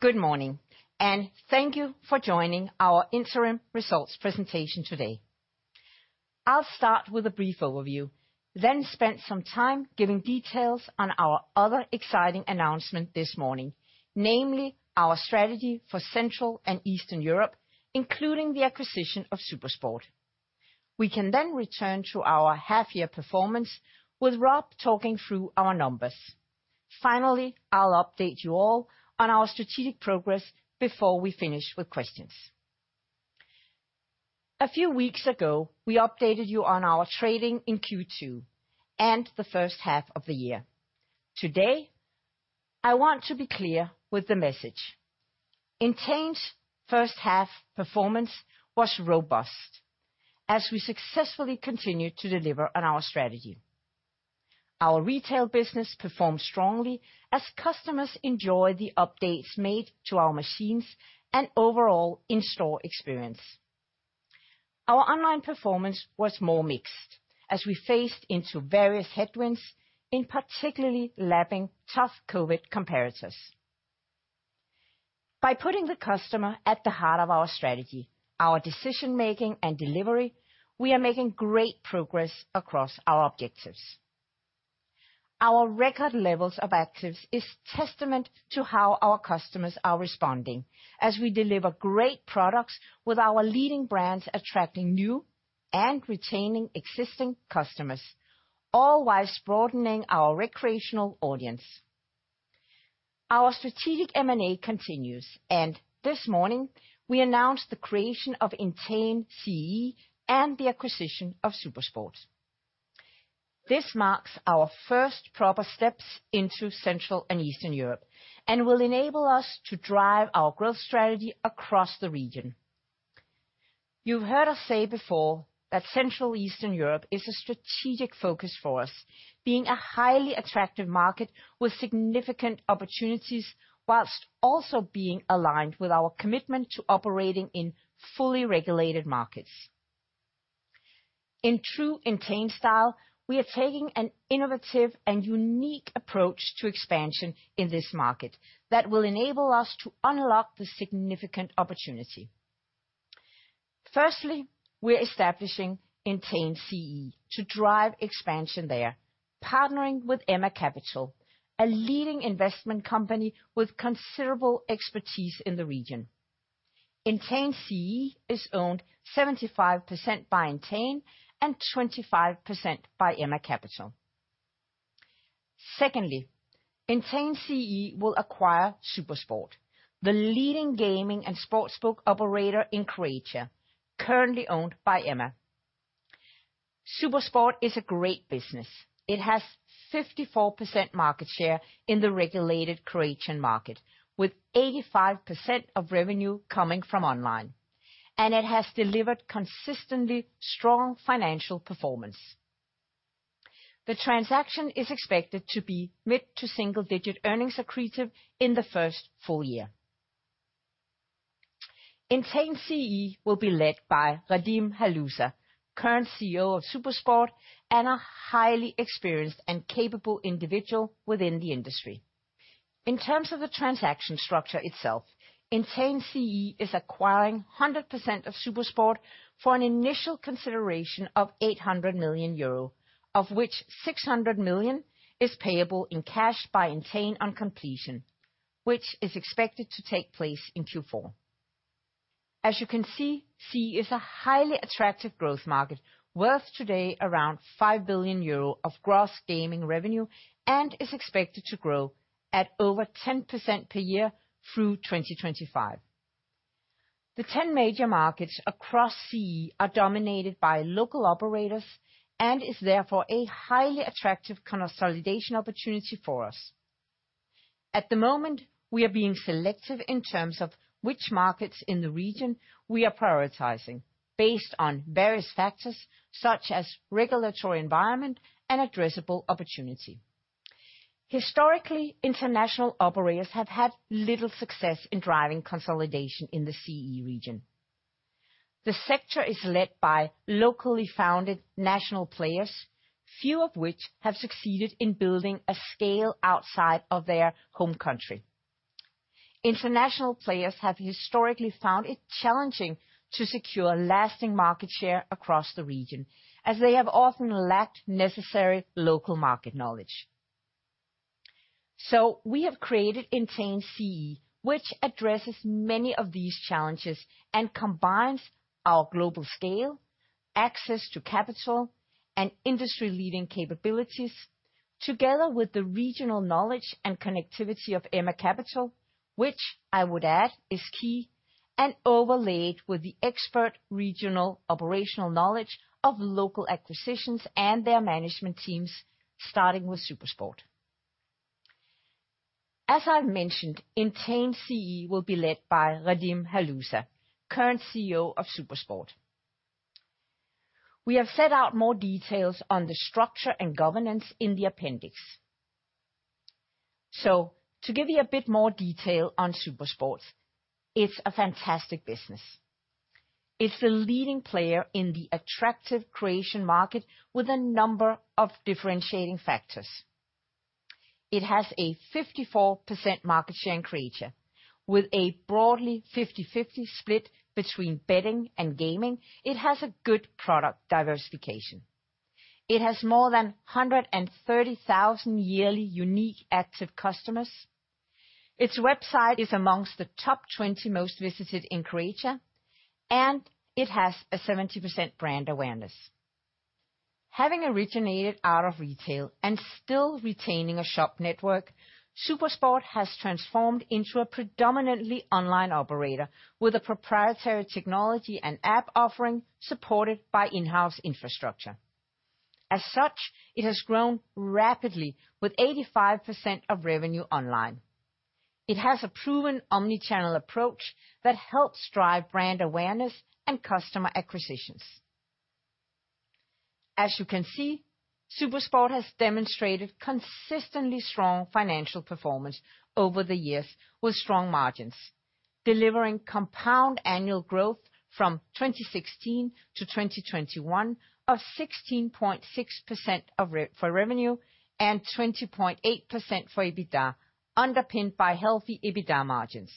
Good morning, and thank you for joining our interim results presentation today. I'll start with a brief overview, then spend some time giving details on our other exciting announcement this morning, namely our strategy for Central and Eastern Europe, including the acquisition of SuperSport. We can then return to our half-year performance, with Rob talking through our numbers. Finally, I'll update you all on our strategic progress before we finish with questions. A few weeks ago, we updated you on our trading in Q2 and the first half of the year. Today, I want to be clear with the message. Entain's first half performance was robust, as we successfully continued to deliver on our strategy. Our retail business performed strongly as customers enjoyed the updates made to our machines and overall in-store experience. Our online performance was more mixed, as we faced into various headwinds, in particular lapping tough COVID comparators. By putting the customer at the heart of our strategy, our decision-making and delivery, we are making great progress across our objectives. Our record levels of actives is testament to how our customers are responding as we deliver great products with our leading brands attracting new and retaining existing customers, all whilst broadening our recreational audience. Our strategic M&A continues, and this morning we announced the creation of Entain CEE and the acquisition of SuperSport. This marks our first proper steps into Central and Eastern Europe and will enable us to drive our growth strategy across the region. You've heard us say before that Central and Eastern Europe is a strategic focus for us, being a highly attractive market with significant opportunities, while also being aligned with our commitment to operating in fully regulated markets. In true Entain style, we are taking an innovative and unique approach to expansion in this market that will enable us to unlock the significant opportunity. First, we're establishing Entain CEE to drive expansion there, partnering with EMMA Capital, a leading investment company with considerable expertise in the region. Entain CEE is owned 75% by Entain and 25% by EMMA Capital. Second, Entain CEE will acquire SuperSport, the leading gaming and sportsbook operator in Croatia, currently owned by EMMA. SuperSport is a great business. It has 54% market share in the regulated Croatian market, with 85% of revenue coming from online, and it has delivered consistently strong financial performance. The transaction is expected to be mid- to single-digit earnings accretive in the first full year. Entain CEE will be led by Radim Haluza, current CEO of SuperSport, and a highly experienced and capable individual within the industry. In terms of the transaction structure itself, Entain CEE is acquiring 100% of SuperSport for an initial consideration of 800 million euro, of which 600 million is payable in cash by Entain on completion, which is expected to take place in Q4. As you can see, CEE is a highly attractive growth market, worth today around 5 billion euro of gross gaming revenue and is expected to grow at over 10% per year through 2025. The 10 major markets across CEE are dominated by local operators and is therefore a highly attractive consolidation opportunity for us. At the moment, we are being selective in terms of which markets in the region we are prioritizing based on various factors such as regulatory environment and addressable opportunity. Historically, international operators have had little success in driving consolidation in the CEE region. The sector is led by locally founded national players, few of which have succeeded in building a scale outside of their home country. International players have historically found it challenging to secure lasting market share across the region, as they have often lacked necessary local market knowledge. We have created Entain CEE, which addresses many of these challenges and combines our global scale, access to capital, and industry-leading capabilities together with the regional knowledge and connectivity of EMMA Capital, which I would add is key, and overlaid with the expert regional operational knowledge of local acquisitions and their management teams, starting with SuperSport. As I mentioned, Entain CEE will be led by Radim Haluza, current CEO of SuperSport. We have set out more details on the structure and governance in the appendix. To give you a bit more detail on SuperSport, it's a fantastic business. It's the leading player in the attractive Croatian market with a number of differentiating factors. It has a 54% market share in Croatia. With a broadly 50-50 split between betting and gaming, it has a good product diversification. It has more than 130,000 yearly unique active customers. Its website is among the top 20 most visited in Croatia, and it has a 70% brand awareness. Having originated out of retail and still retaining a shop network, SuperSport has transformed into a predominantly online operator with a proprietary technology and app offering, supported by in-house infrastructure. As such, it has grown rapidly with 85% of revenue online. It has a proven omni-channel approach that helps drive brand awareness and customer acquisitions. As you can see, SuperSport has demonstrated consistently strong financial performance over the years with strong margins, delivering compound annual growth from 2016 to 2021 of 16.6% for revenue and 20.8% for EBITDA, underpinned by healthy EBITDA margins.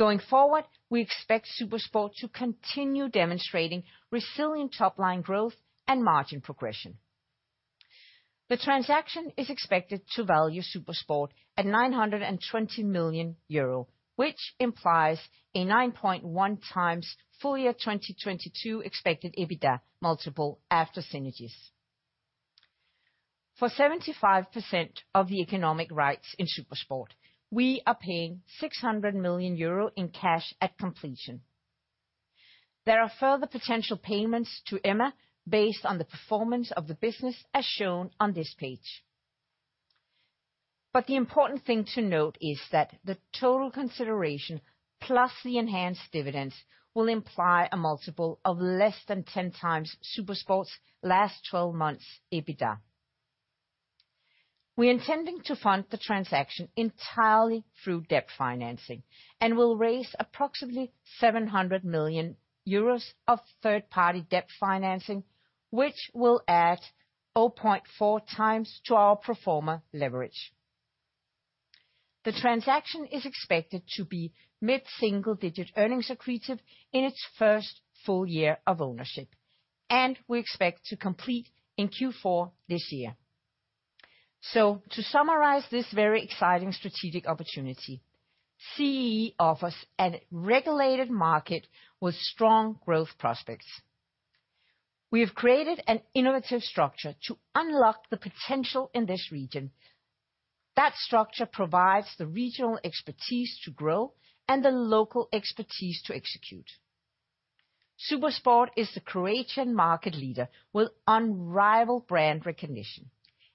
Going forward, we expect SuperSport to continue demonstrating resilient top-line growth and margin progression. The transaction is expected to value SuperSport at 920 million euro, which implies a 9.1x full year 2022 expected EBITDA multiple after synergies. For 75% of the economic rights in SuperSport, we are paying 600 million euro in cash at completion. There are further potential payments to EMMA based on the performance of the business as shown on this page. The important thing to note is that the total consideration, plus the enhanced dividends, will imply a multiple of less than 10x SuperSport's last 12 months EBITDA. We're intending to fund the transaction entirely through debt financing and will raise approximately 700 million euros of third-party debt financing, which will add 0.4x to our pro forma leverage. The transaction is expected to be mid-single digit earnings accretive in its first full year of ownership, and we expect to complete in Q4 this year. To summarize this very exciting strategic opportunity, CEE offers a regulated market with strong growth prospects. We have created an innovative structure to unlock the potential in this region. That structure provides the regional expertise to grow and the local expertise to execute. SuperSport is the Croatian market leader with unrivaled brand recognition.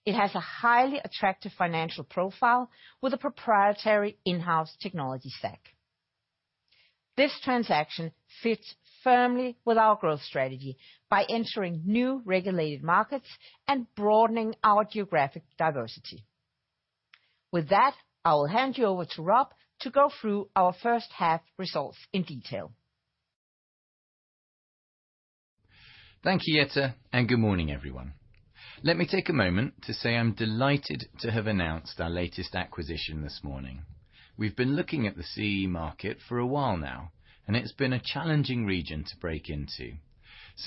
It has a highly attractive financial profile with a proprietary in-house technology stack. This transaction fits firmly with our growth strategy by entering new regulated markets and broadening our geographic diversity. With that, I will hand you over to Rob to go through our first half results in detail. Thank you, Jette, and good morning, everyone. Let me take a moment to say I'm delighted to have announced our latest acquisition this morning. We've been looking at the CEE market for a while now, and it's been a challenging region to break into.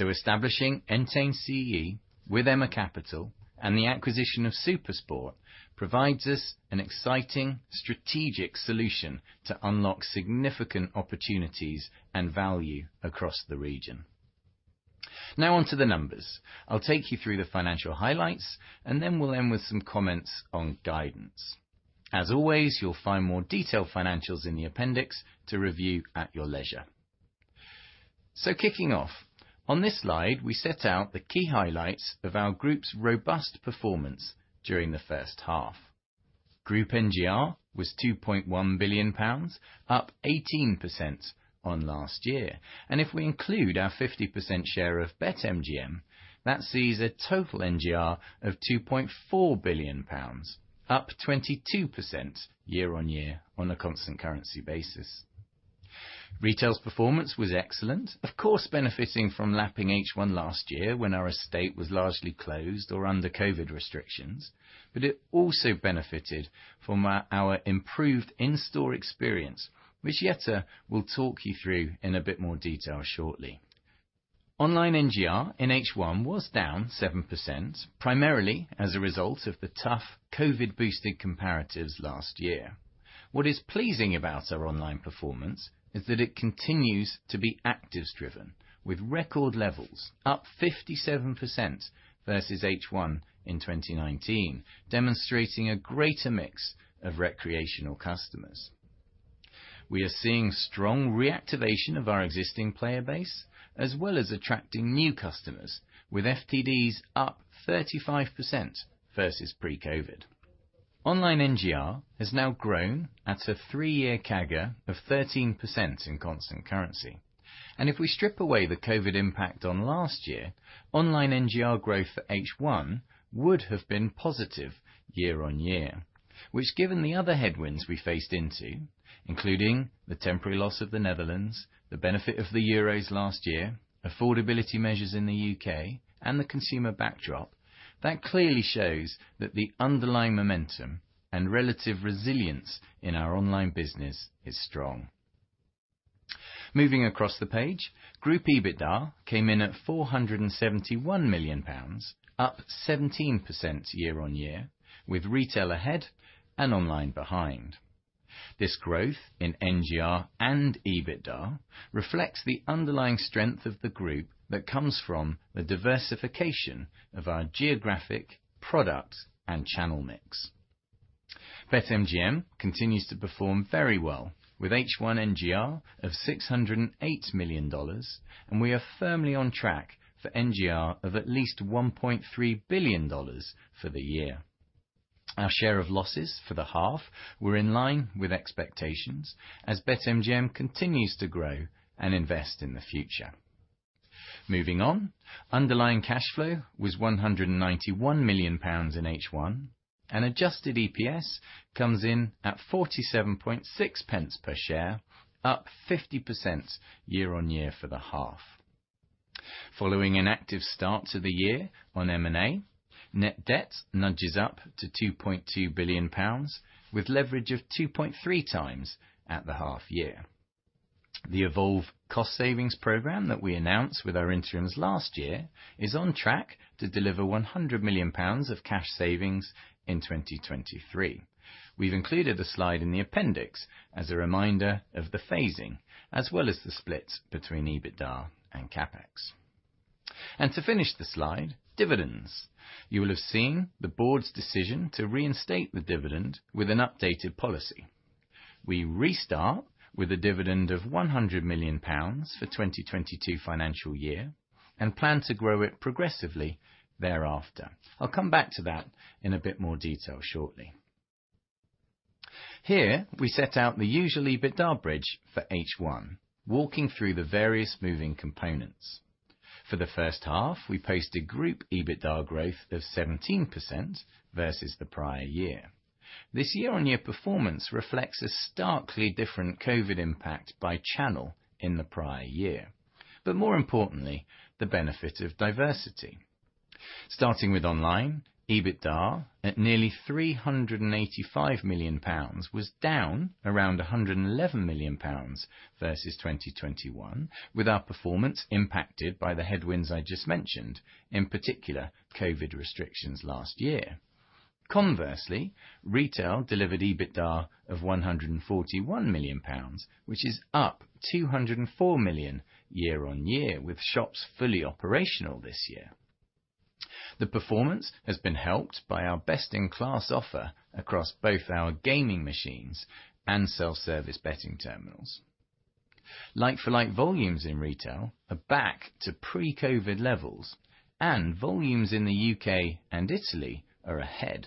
Establishing Entain CEE with EMMA Capital and the acquisition of SuperSport provides us an exciting strategic solution to unlock significant opportunities and value across the region. Now on to the numbers. I'll take you through the financial highlights, and then we'll end with some comments on guidance. As always, you'll find more detailed financials in the appendix to review at your leisure. Kicking off, on this slide, we set out the key highlights of our group's robust performance during the first half. Group NGR was 2.1 billion pounds, up 18% on last year. If we include our 50% share of BetMGM, that sees a total NGR of 2.4 billion pounds, up 22% year-on-year on a constant currency basis. Retail's performance was excellent. Of course, benefiting from lapping H1 last year when our estate was largely closed or under COVID restrictions, but it also benefited from our improved in-store experience, which Jette will talk you through in a bit more detail shortly. Online NGR in H1 was down 7%, primarily as a result of the tough COVID-boosted comparatives last year. What is pleasing about our online performance is that it continues to be actives driven with record levels, up 57% versus H1 in 2019, demonstrating a greater mix of recreational customers. We are seeing strong reactivation of our existing player base, as well as attracting new customers with FTDs up 35% versus pre-COVID. Online NGR has now grown at a three-year CAGR of 13% in constant currency. If we strip away the COVID impact on last year, online NGR growth for H1 would have been positive year-on-year, which given the other headwinds we faced into, including the temporary loss of the Netherlands, the benefit of the Euros last year, affordability measures in the U.K., and the consumer backdrop, that clearly shows that the underlying momentum and relative resilience in our online business is strong. Moving across the page, group EBITDA came in at 471 million pounds, up 17% year-on-year, with retail ahead and online behind. This growth in NGR and EBITDA reflects the underlying strength of the group that comes from the diversification of our geographic, product, and channel mix. BetMGM continues to perform very well with H1 NGR of $608 million, and we are firmly on track for NGR of at least $1.3 billion for the year. Our share of losses for the half were in line with expectations as BetMGM continues to grow and invest in the future. Moving on, underlying cash flow was 191 million pounds in H1, and Adjusted EPS comes in at 47.6 pence per share, up 50% year-on-year for the half. Following an active start to the year on M&A, net debt nudges up to 2.2 billion pounds with leverage of 2.3x at the half year. The Evolve cost savings program that we announced with our interims last year is on track to deliver 100 million pounds of cash savings in 2023. We've included a slide in the appendix as a reminder of the phasing, as well as the split between EBITDA and CapEx. To finish the slide, dividends. You will have seen the board's decision to reinstate the dividend with an updated policy. We restart with a dividend of 100 million pounds for 2022 financial year and plan to grow it progressively thereafter. I'll come back to that in a bit more detail shortly. Here we set out the usual EBITDA bridge for H1, walking through the various moving components. For the first half, we posted group EBITDA growth of 17% versus the prior year. This year-on-year performance reflects a starkly different COVID impact by channel in the prior year, but more importantly, the benefit of diversity. Starting with online, EBITDA at nearly 385 million pounds was down around 111 million pounds versus 2021, with our performance impacted by the headwinds I just mentioned, in particular, COVID restrictions last year. Conversely, retail delivered EBITDA of 141 million pounds, which is up 204 million year-on-year with shops fully operational this year. The performance has been helped by our best-in-class offer across both our gaming machines and self-service betting terminals. Like-for-like volumes in retail are back to pre-COVID levels, and volumes in the U.K. and Italy are ahead.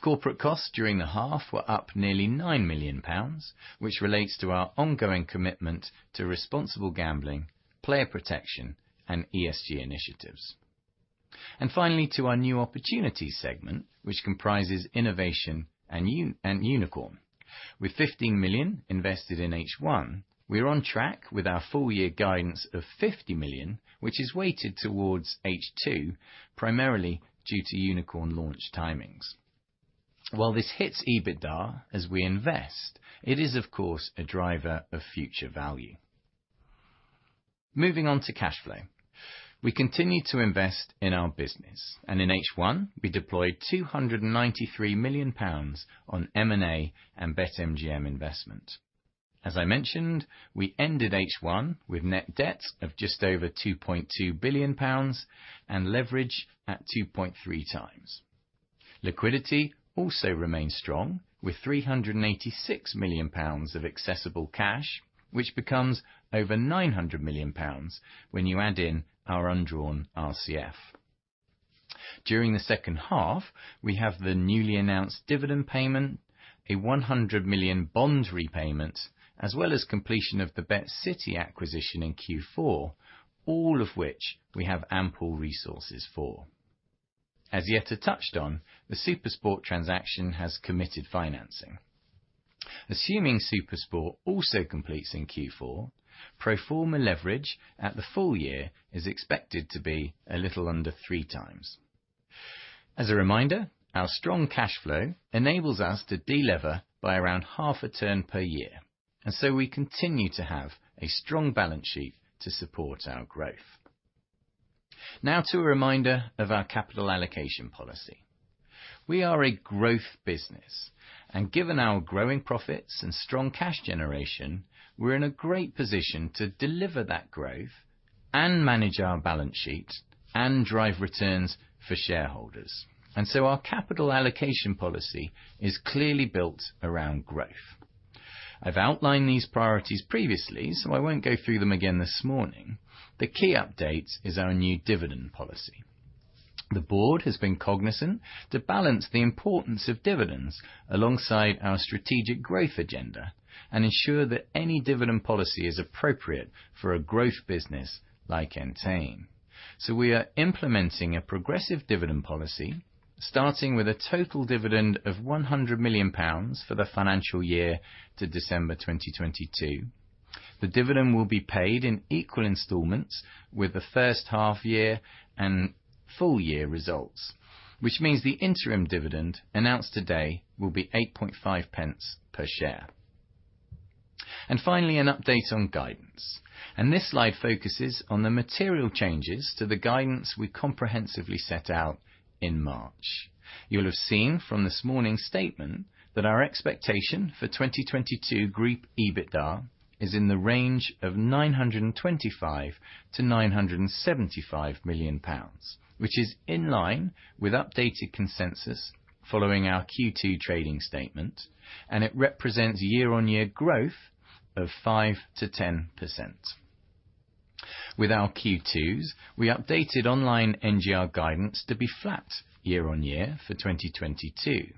Corporate costs during the half were up nearly 9 million pounds, which relates to our ongoing commitment to responsible gambling, player protection, and ESG initiatives. Finally, to our new opportunity segment, which comprises innovation and Unikrn. With 15 million invested in H1, we are on track with our full year guidance of 50 million, which is weighted towards H2 primarily due to Unikrn launch timings. While this hits EBITDA as we invest, it is of course a driver of future value. Moving on to cash flow. We continue to invest in our business, and in H1, we deployed 293 million pounds on M&A and BetMGM investment. As I mentioned, we ended H1 with net debt of just over 2.2 billion pounds and leverage at 2.3x Liquidity also remains strong with 386 million pounds of accessible cash, which becomes over 900 million pounds when you add in our undrawn RCF. During the second half, we have the newly announced dividend payment, a 100 million bond repayment, as well as completion of the BetCity acquisition in Q4, all of which we have ample resources for. As yet to touch on, the SuperSport transaction has committed financing. Assuming SuperSport also completes in Q4, pro forma leverage at the full year is expected to be a little under 3x. As a reminder, our strong cash flow enables us to delever by around half a turn per year, and so we continue to have a strong balance sheet to support our growth. Now to a reminder of our capital allocation policy. We are a growth business, and given our growing profits and strong cash generation, we're in a great position to deliver that growth and manage our balance sheet and drive returns for shareholders. Our capital allocation policy is clearly built around growth. I've outlined these priorities previously, so I won't go through them again this morning. The key update is our new dividend policy. The board has been cognizant to balance the importance of dividends alongside our strategic growth agenda and ensure that any dividend policy is appropriate for a growth business like Entain. We are implementing a progressive dividend policy, starting with a total dividend of 100 million pounds for the financial year to December 2022. The dividend will be paid in equal installments with the first half year and full year results, which means the interim dividend announced today will be 8.5 pence per share. Finally, an update on guidance. This slide focuses on the material changes to the guidance we comprehensively set out in March. You'll have seen from this morning's statement that our expectation for 2022 group EBITDA is in the range of 925 million-975 million pounds, which is in line with updated consensus following our Q2 trading statement, and it represents year-on-year growth of 5%-10%. With our Q2s, we updated online NGR guidance to be flat year-on-year for 2022.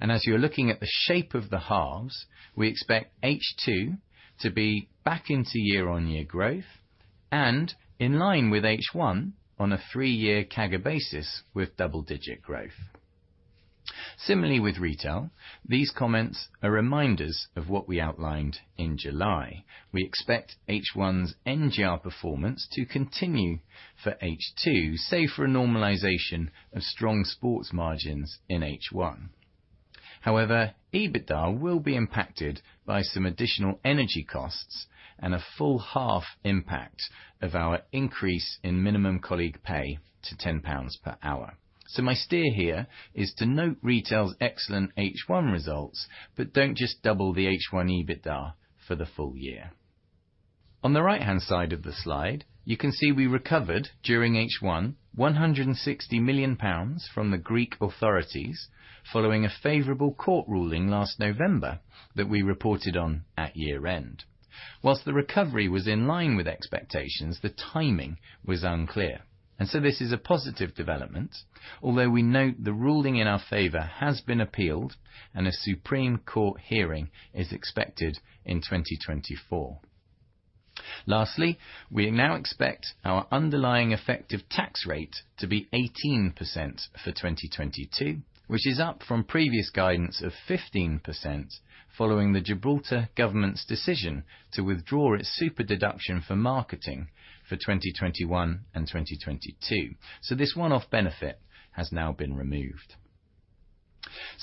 As you're looking at the shape of the halves, we expect H2 to be back into year-on-year growth and in line with H1 on a three-year CAGR basis with double-digit growth. Similarly with Retail, these comments are reminders of what we outlined in July. We expect H1's NGR performance to continue for H2, save for a normalization of strong sports margins in H1. However, EBITDA will be impacted by some additional energy costs and a full half impact of our increase in minimum colleague pay to 10 pounds per hour. My steer here is to note Retail's excellent H1 results, but don't just double the H1 EBITDA for the full year. On the right-hand side of the slide, you can see we recovered during H1 160 million pounds from the Greek authorities following a favorable court ruling last November that we reported on at year-end. While the recovery was in line with expectations, the timing was unclear, and so this is a positive development. Although we note the ruling in our favor has been appealed and a Supreme Court hearing is expected in 2024. Lastly, we now expect our underlying effective tax rate to be 18% for 2022, which is up from previous guidance of 15% following the Gibraltar government's decision to withdraw its super deduction for marketing for 2021 and 2022.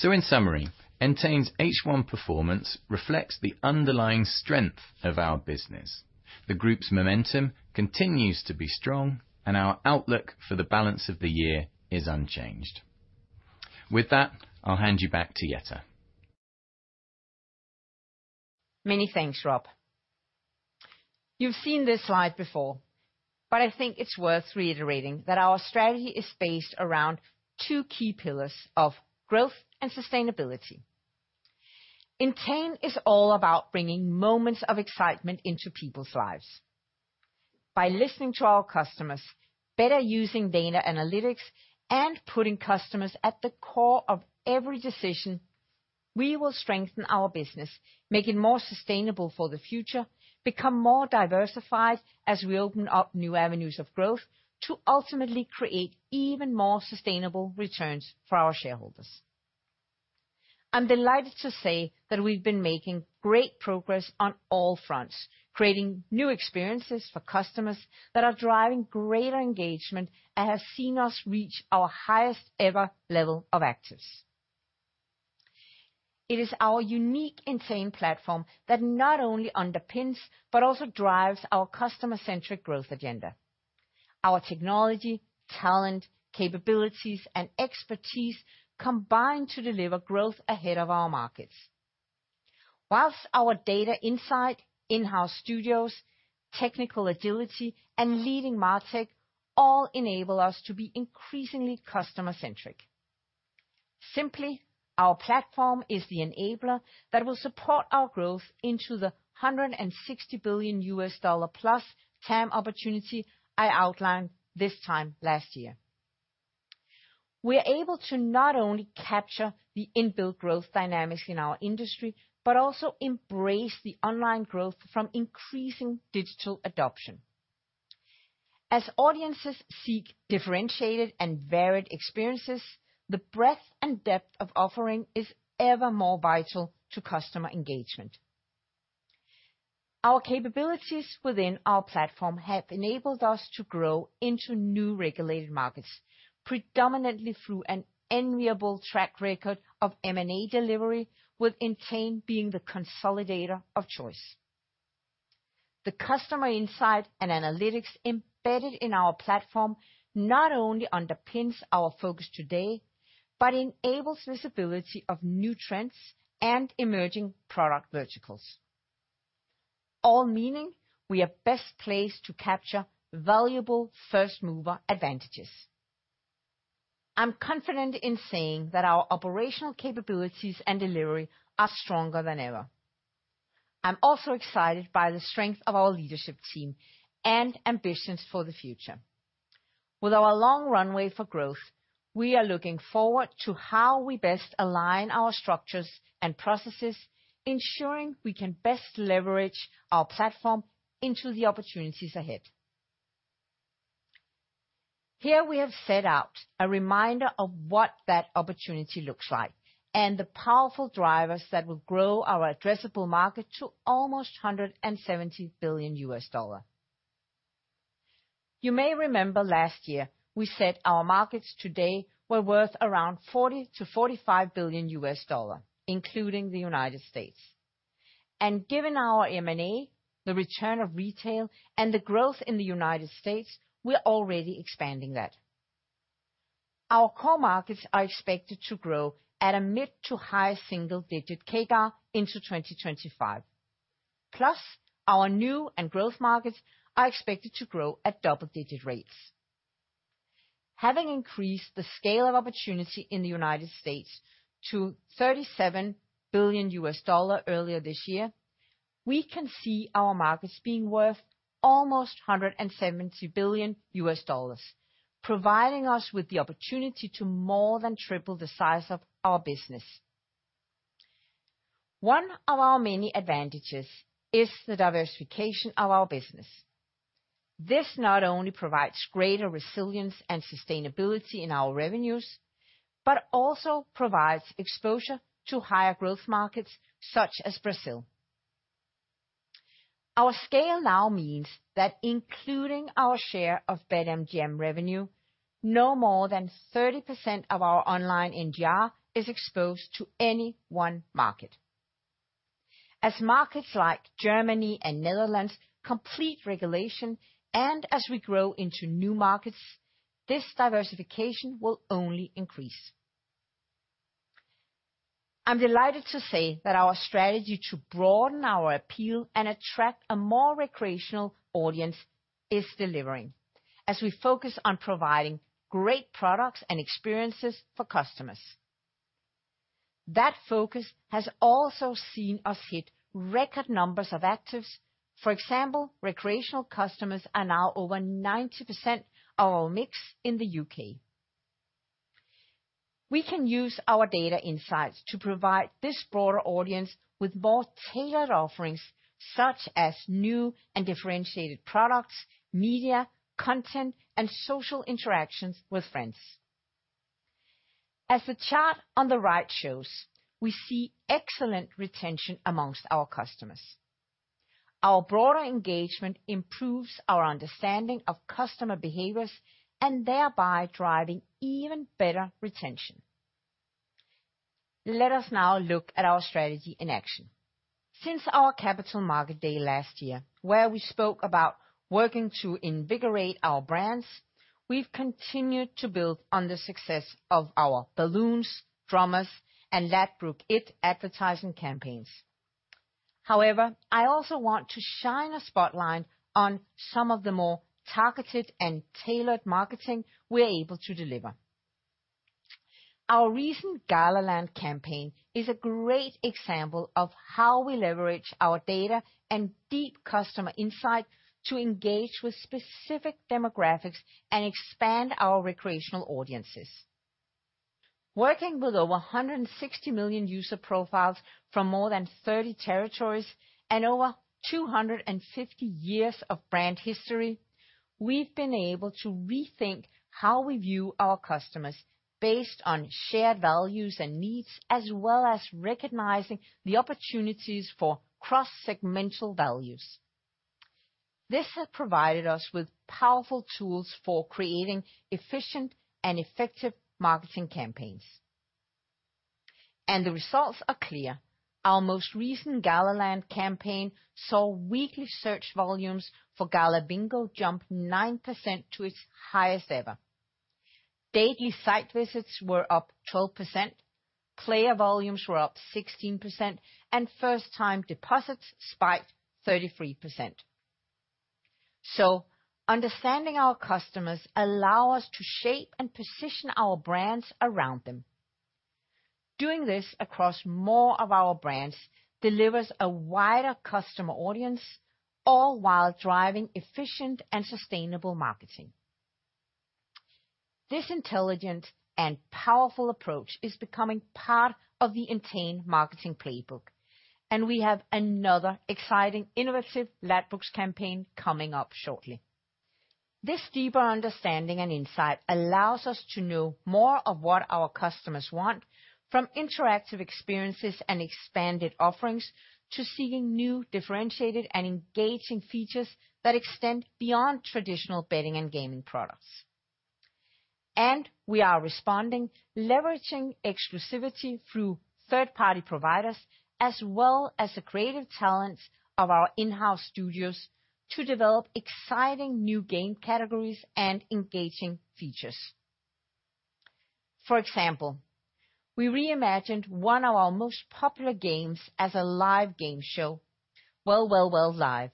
In summary, Entain's H1 performance reflects the underlying strength of our business. The group's momentum continues to be strong, and our outlook for the balance of the year is unchanged. With that, I'll hand you back to Jette. Many thanks, Rob. You've seen this slide before, but I think it's worth reiterating that our strategy is based around two key pillars of growth and sustainability. Entain is all about bringing moments of excitement into people's lives. By listening to our customers, better using data analytics, and putting customers at the core of every decision, we will strengthen our business, make it more sustainable for the future, become more diversified as we open up new avenues of growth to ultimately create even more sustainable returns for our shareholders. I'm delighted to say that we've been making great progress on all fronts, creating new experiences for customers that are driving greater engagement and have seen us reach our highest ever level of actives. It is our unique Entain platform that not only underpins but also drives our customer-centric growth agenda. Our technology, talent, capabilities, and expertise combine to deliver growth ahead of our markets. While our data insight, in-house studios, technical agility, and leading MarTech all enable us to be increasingly customer-centric. Simply, our platform is the enabler that will support our growth into the $160 billion+ TAM opportunity I outlined this time last year. We are able to not only capture the inbuilt growth dynamics in our industry, but also embrace the online growth from increasing digital adoption. As audiences seek differentiated and varied experiences, the breadth and depth of offering is ever more vital to customer engagement. Our capabilities within our platform have enabled us to grow into new regulated markets, predominantly through an enviable track record of M&A delivery, with Entain being the consolidator of choice. The customer insight and analytics embedded in our platform not only underpins our focus today, but enables visibility of new trends and emerging product verticals. All meaning, we are best placed to capture valuable first-mover advantages. I'm confident in saying that our operational capabilities and delivery are stronger than ever. I'm also excited by the strength of our leadership team and ambitions for the future. With our long runway for growth, we are looking forward to how we best align our structures and processes, ensuring we can best leverage our platform into the opportunities ahead. Here we have set out a reminder of what that opportunity looks like, and the powerful drivers that will grow our addressable market to almost $170 billion. You may remember last year we said our markets today were worth around $40 billion-45 billion, including the United States. Given our M&A, the return of retail, and the growth in the United States, we're already expanding that. Our core markets are expected to grow at a mid- to high-single-digit CAGR into 2025. Plus our new and growth markets are expected to grow at double-digit rates. Having increased the scale of opportunity in the United States to $37 billion earlier this year, we can see our markets being worth almost $170 billion, providing us with the opportunity to more than triple the size of our business. One of our many advantages is the diversification of our business. This not only provides greater resilience and sustainability in our revenues, but also provides exposure to higher growth markets such as Brazil. Our scale now means that including our share of BetMGM revenue, no more than 30% of our online NGR is exposed to any one market. As markets like Germany and Netherlands complete regulation, and as we grow into new markets, this diversification will only increase. I'm delighted to say that our strategy to broaden our appeal and attract a more recreational audience is delivering as we focus on providing great products and experiences for customers. That focus has also seen us hit record numbers of actives. For example, recreational customers are now over 90% of our mix in the U.K. We can use our data insights to provide this broader audience with more tailored offerings such as new and differentiated products, media, content, and social interactions with friends. As the chart on the right shows, we see excellent retention among our customers. Our broader engagement improves our understanding of customer behaviors, and thereby driving even better retention. Let us now look at our strategy in action. Since our Capital Markets Day last year, where we spoke about working to invigorate our brands, we've continued to build on the success of our Bwin, Coral, and Ladbrokes advertising campaigns. However, I also want to shine a spotlight on some of the more targeted and tailored marketing we're able to deliver. Our recent Gala Land campaign is a great example of how we leverage our data and deep customer insight to engage with specific demographics and expand our recreational audiences. Working with over 160 million user profiles from more than 30 territories and over 250 years of brand history, we've been able to rethink how we view our customers based on shared values and needs, as well as recognizing the opportunities for cross-segmental values. This has provided us with powerful tools for creating efficient and effective marketing campaigns, and the results are clear. Our most recent Gala Land campaign saw weekly search volumes for Gala Bingo jump 9% to its highest ever. Daily site visits were up 12%. Player volumes were up 16%, and first time deposits spiked 33%. Understanding our customers allow us to shape and position our brands around them. Doing this across more of our brands delivers a wider customer audience, all while driving efficient and sustainable marketing. This intelligent and powerful approach is becoming part of the Entain marketing playbook, and we have another exciting innovative Ladbrokes campaign coming up shortly. This deeper understanding and insight allows us to know more of what our customers want from interactive experiences and expanded offerings to seeking new, differentiated, and engaging features that extend beyond traditional betting and gaming products. We are responding, leveraging exclusivity through third-party providers as well as the creative talents of our in-house studios to develop exciting new game categories and engaging features. For example, we reimagined one of our most popular games as a live game show, Well, Well, Well Live.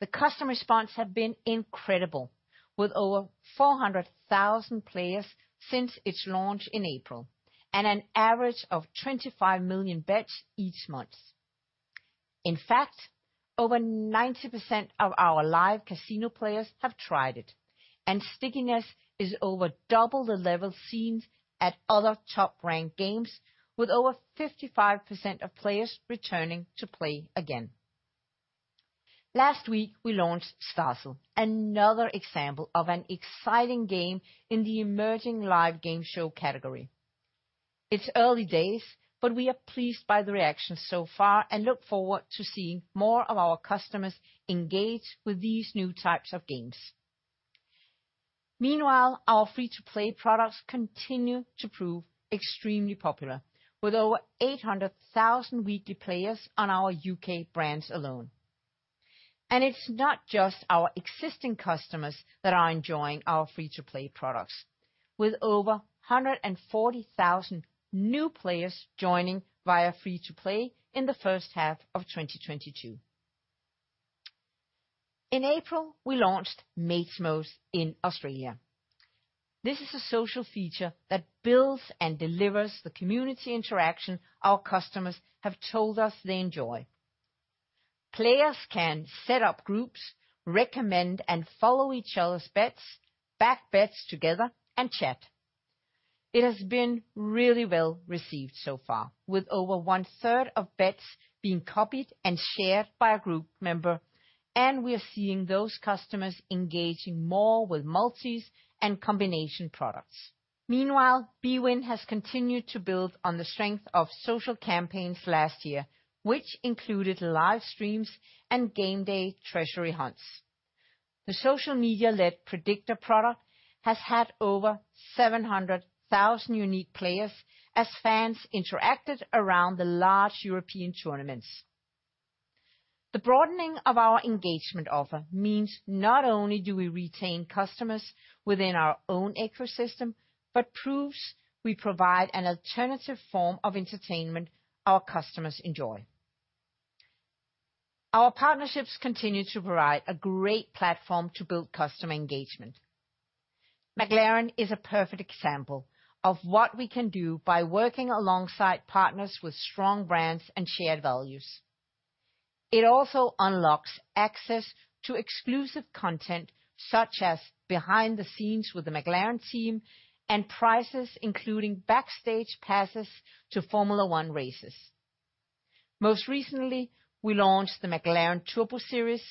The customer response has been incredible, with over 400,000 players since its launch in April, and an average of 25 million bets each month. In fact, over 90% of our live casino players have tried it, and stickiness is over double the level seen at other top ranked games with over 55% of players returning to play again. Last week, we launched Starzle, another example of an exciting game in the emerging live game show category. It's early days, but we are pleased by the reaction so far and look forward to seeing more of our customers engage with these new types of games. Meanwhile, our free-to-play products continue to prove extremely popular with over 800,000 weekly players on our U.K. brands alone. It's not just our existing customers that are enjoying our free-to-play products, with over 140,000 new players joining via free-to-play in the first half of 2022. In April, we launched Mates Mode in Australia. This is a social feature that builds and delivers the community interaction our customers have told us they enjoy. Players can set up groups, recommend and follow each other's bets, back bets together, and chat. It has been really well received so far, with over 1/3 of bets being copied and shared by a group member, and we are seeing those customers engaging more with multis and combination products. Meanwhile, bwin has continued to build on the strength of social campaigns last year, which included live streams and game day treasury hunts. The social media-led predictor product has had over 700,000 unique players as fans interacted around the large European tournaments. The broadening of our engagement offer means not only do we retain customers within our own ecosystem, but proves we provide an alternative form of entertainment our customers enjoy. Our partnerships continue to provide a great platform to build customer engagement. McLaren is a perfect example of what we can do by working alongside partners with strong brands and shared values. It also unlocks access to exclusive content such as behind the scenes with the McLaren team and prizes including backstage passes to Formula 1 races. Most recently, we launched the McLaren Turbo Series,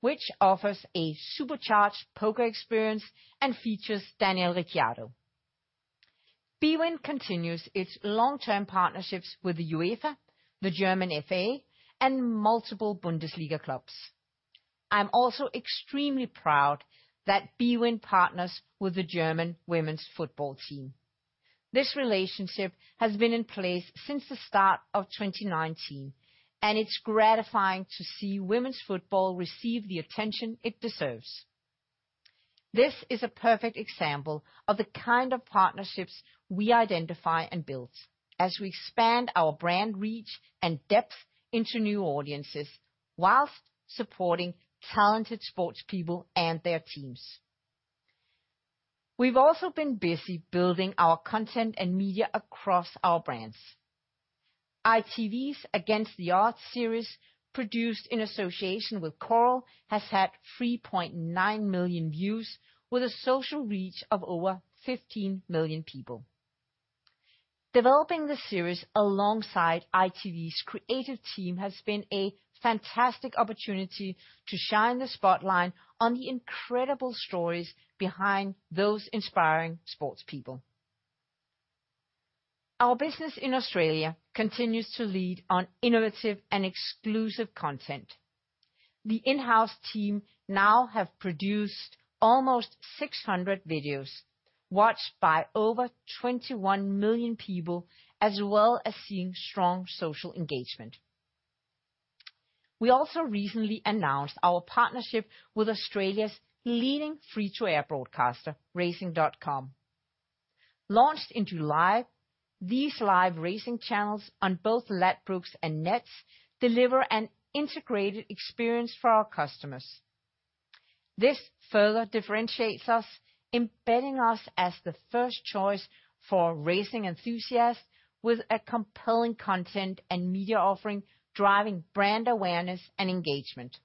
which offers a supercharged poker experience and features Daniel Ricciardo. bwin continues its long-term partnerships with the UEFA, the German FA, and multiple Bundesliga clubs. I'm also extremely proud that bwin partners with the German women's football team. This relationship has been in place since the start of 2019, and it's gratifying to see women's football receive the attention it deserves. This is a perfect example of the kind of partnerships we identify and build as we expand our brand reach and depth into new audiences while supporting talented sports people and their teams. We've also been busy building our content and media across our brands. ITV's Against the Odds series, produced in association with Coral, has had 3.9 million views with a social reach of over 15 million people. Developing the series alongside ITV's creative team has been a fantastic opportunity to shine the spotlight on the incredible stories behind those inspiring sports people. Our business in Australia continues to lead on innovative and exclusive content. The in-house team now have produced almost 600 videos watched by over 21 million people, as well as seeing strong social engagement. We also recently announced our partnership with Australia's leading free-to-air broadcaster, Racing.com. Launched in July, these live racing channels on both Ladbrokes and Neds deliver an integrated experience for our customers. This further differentiates us, embedding us as the first choice for racing enthusiasts with a compelling content and media offering driving brand awareness and engagement.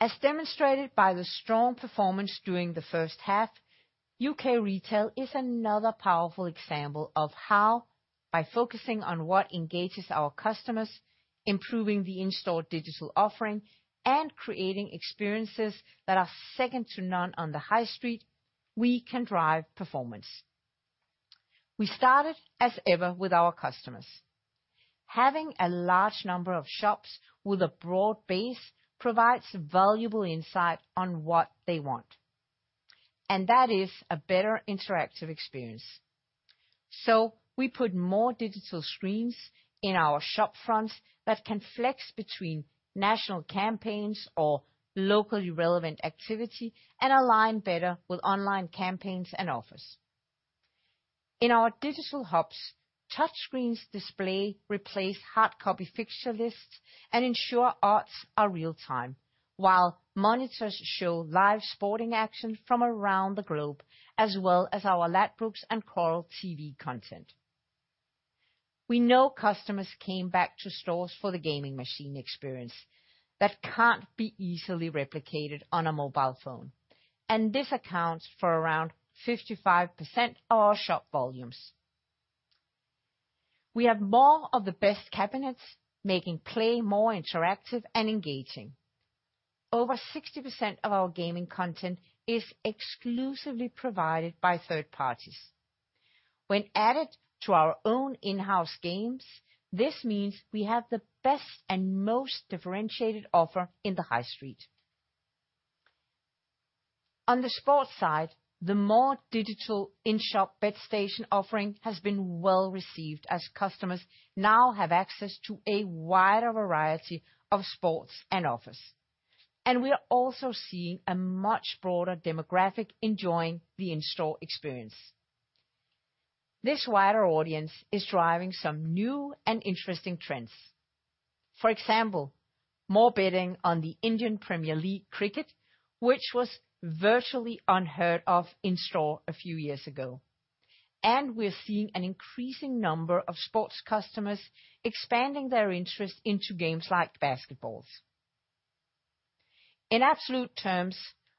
As demonstrated by the strong performance during the first half, U.K. retail is another powerful example of how, by focusing on what engages our customers, improving the in-store digital offering, and creating experiences that are second to none on the high street, we can drive performance. We started, as ever, with our customers. Having a large number of shops with a broad base provides valuable insight on what they want, and that is a better interactive experience. We put more digital screens in our shop fronts that can flex between national campaigns or locally relevant activity and align better with online campaigns and offers. In our digital hubs, touchscreens display replace hard copy fixture lists and ensure odds are real time, while monitors show live sporting action from around the globe, as well as our Ladbrokes and Coral TV content. We know customers came back to stores for the gaming machine experience that can't be easily replicated on a mobile phone, and this accounts for around 55% of our shop volumes. We have more of the best cabinets making play more interactive and engaging. Over 60% of our gaming content is exclusively provided by third parties. When added to our own in-house games, this means we have the best and most differentiated offer in the High Street. On the sports side, the more digital in-shop bet station offering has been well received as customers now have access to a wider variety of sports and offers. We are also seeing a much broader demographic enjoying the in-store experience. This wider audience is driving some new and interesting trends. For example, more betting on the Indian Premier League cricket, which was virtually unheard of in-store a few years ago. We're seeing an increasing number of sports customers expanding their interest into games like basketball. In absolute terms,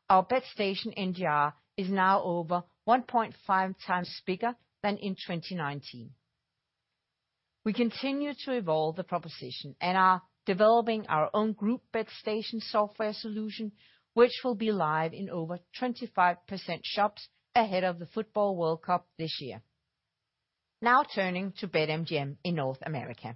our bet station NGR is now over 1.5x bigger than in 2019. We continue to evolve the proposition and are developing our own group bet station software solution, which will be live in over 25% of shops ahead of the Football World Cup this year. Now turning to BetMGM in North America.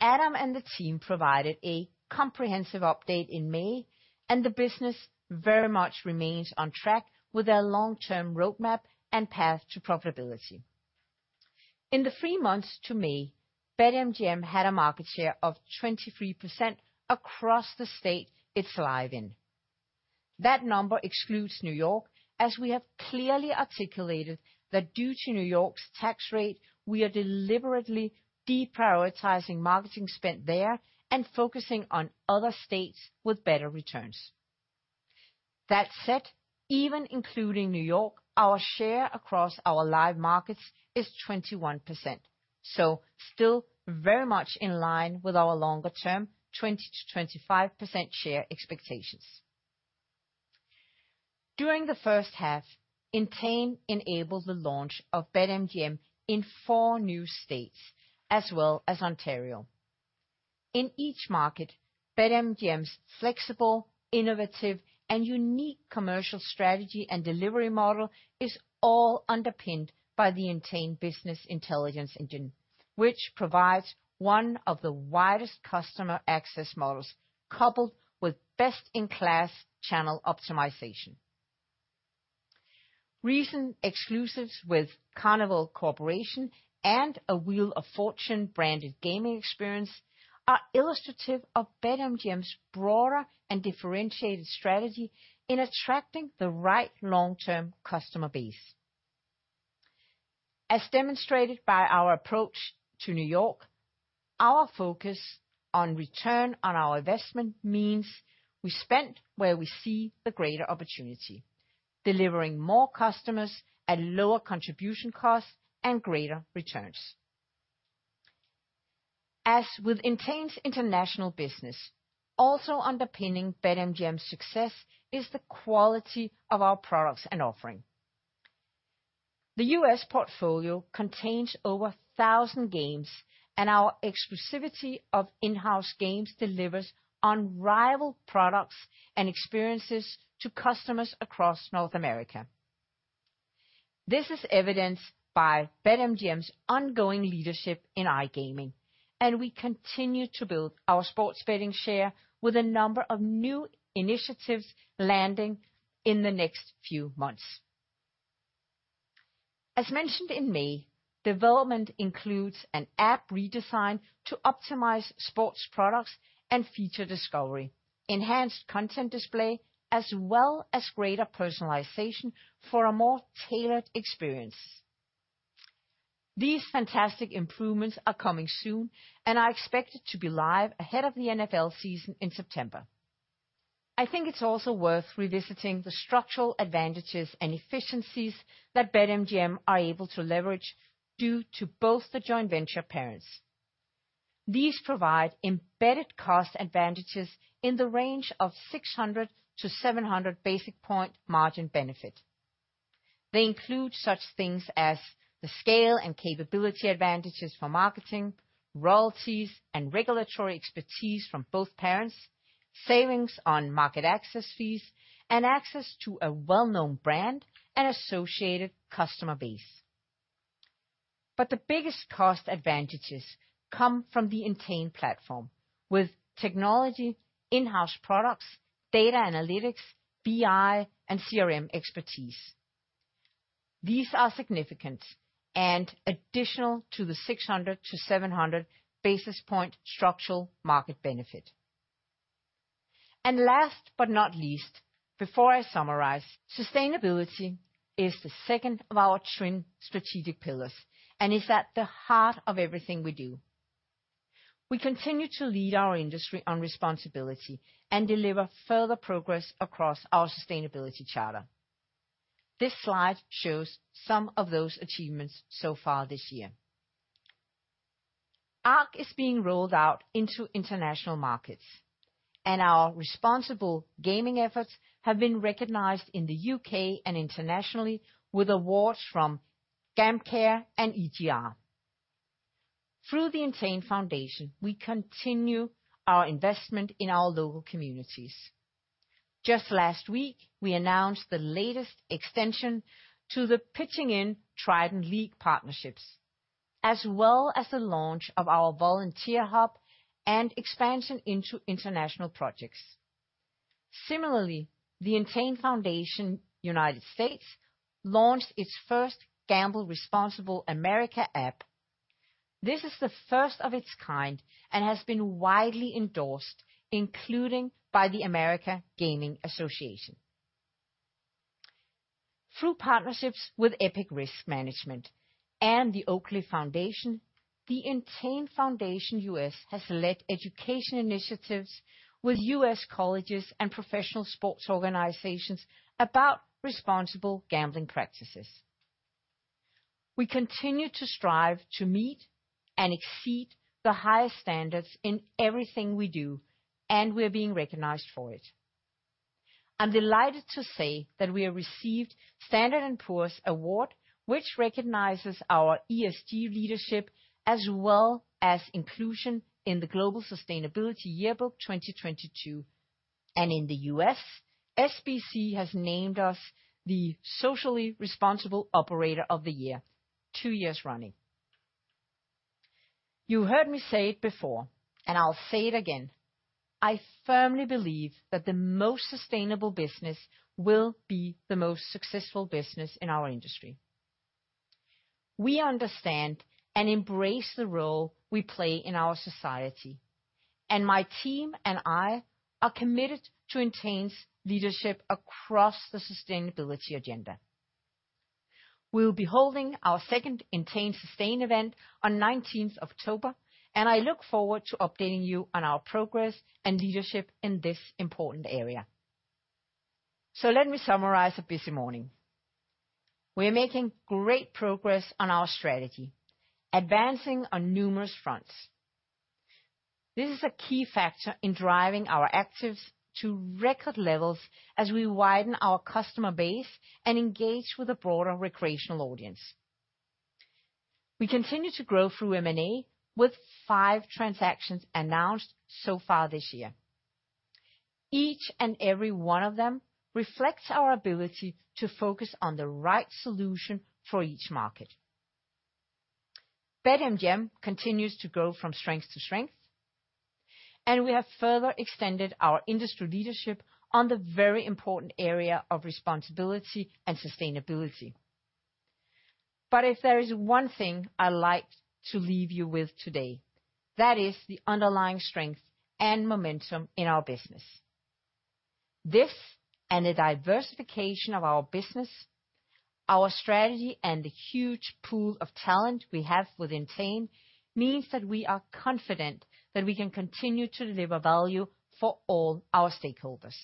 Adam and the team provided a comprehensive update in May, and the business very much remains on track with their long-term roadmap and path to profitability. In the three months to May, BetMGM had a market share of 23% across the state it's live in. That number excludes New York, as we have clearly articulated that due to New York's tax rate, we are deliberately deprioritizing marketing spend there and focusing on other states with better returns. That said, even including New York, our share across our live markets is 21%, so still very much in line with our longer term 20%-25% share expectations. During the first half, Entain enabled the launch of BetMGM in four new states as well as Ontario. In each market, BetMGM's flexible, innovative, and unique commercial strategy and delivery model is all underpinned by the Entain business intelligence engine, which provides one of the widest customer access models coupled with best in class channel optimization. Recent exclusives with Carnival Corporation and a Wheel of Fortune branded gaming experience are illustrative of BetMGM's broader and differentiated strategy in attracting the right long-term customer base. As demonstrated by our approach to New York, our focus on return on our investment means we spend where we see the greater opportunity, delivering more customers at lower contribution costs and greater returns. As with Entain's international business, also underpinning BetMGM's success is the quality of our products and offering. The U.S. portfolio contains over a thousand games, and our exclusivity of in-house games delivers unrivaled products and experiences to customers across North America. This is evidenced by BetMGM's ongoing leadership in iGaming, and we continue to build our sports betting share with a number of new initiatives landing in the next few months. As mentioned in May, development includes an app redesign to optimize sports products and feature discovery, enhanced content display, as well as greater personalization for a more tailored experience. These fantastic improvements are coming soon and are expected to be live ahead of the NFL season in September. I think it's also worth revisiting the structural advantages and efficiencies that BetMGM are able to leverage due to both the joint venture parents. These provide embedded cost advantages in the range of 600-700 basis point margin benefit. They include such things as the scale and capability advantages for marketing, royalties and regulatory expertise from both parents, savings on market access fees, and access to a well-known brand and associated customer base. The biggest cost advantages come from the Entain platform with technology, in-house products, data analytics, BI, and CRM expertise. These are significant and additional to the 600-700 basis point structural market benefit. Last but not least, before I summarize, sustainability is the second of our twin strategic pillars and is at the heart of everything we do. We continue to lead our industry on responsibility and deliver further progress across our sustainability charter. This slide shows some of those achievements so far this year. ARC is being rolled out into international markets, and our responsible gaming efforts have been recognized in the U.K. and internationally with awards from GamCare and EGR. Through the Entain Foundation, we continue our investment in our local communities. Just last week, we announced the latest extension to the Pitching In Trident Leagues partnerships, as well as the launch of our volunteer hub and expansion into international projects. Similarly, the Entain Foundation United States launched its first Gamble Responsibly America app. This is the first of its kind and has been widely endorsed, including by the American Gaming Association. Through partnerships with EPIC Risk Management and the Oakley Foundation, the Entain Foundation U.S. has led education initiatives with US colleges and professional sports organizations about responsible gambling practices. We continue to strive to meet and exceed the highest standards in everything we do, and we're being recognized for it. I'm delighted to say that we have received S&P Global's award, which recognizes our ESG leadership as well as Inclusion in the Sustainability Yearbook 2022. In the US, SBC has named us the socially responsible operator of the year, two years running. You heard me say it before, and I'll say it again. I firmly believe that the most sustainable business will be the most successful business in our industry. We understand and embrace the role we play in our society, and my team and I are committed to Entain's leadership across the sustainability agenda. We will be holding our second Entain Sustain event on 19th of October, and I look forward to updating you on our progress and leadership in this important area. Let me summarize a busy morning. We are making great progress on our strategy, advancing on numerous fronts. This is a key factor in driving our actives to record levels as we widen our customer base and engage with a broader recreational audience. We continue to grow through M&A with five transactions announced so far this year. Each and every one of them reflects our ability to focus on the right solution for each market. BetMGM continues to grow from strength to strength, and we have further extended our industry leadership on the very important area of responsibility and sustainability. If there is one thing I'd like to leave you with today, that is the underlying strength and momentum in our business. This, and the diversification of our business, our strategy, and the huge pool of talent we have with Entain, means that we are confident that we can continue to deliver value for all our stakeholders.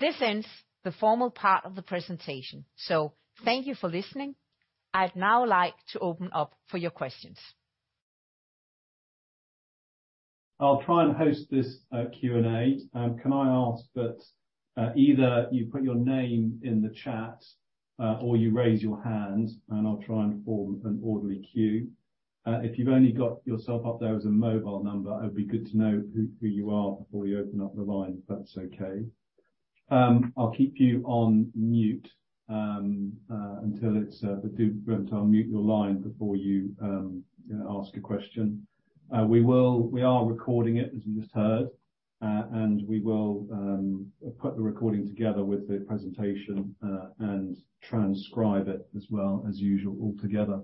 This ends the formal part of the presentation, so thank you for listening. I'd now like to open up for your questions. I'll try and host this Q&A. Can I ask that either you put your name in the chat or you raise your hand, and I'll try and form an orderly queue. If you've only got yourself up there as a mobile number, it'd be good to know who you are before you open up the line, if that's okay. I'll keep you on mute. Do remember to unmute your line before you ask a question. We are recording it, as you just heard. We will put the recording together with the presentation and transcribe it as well as usual altogether.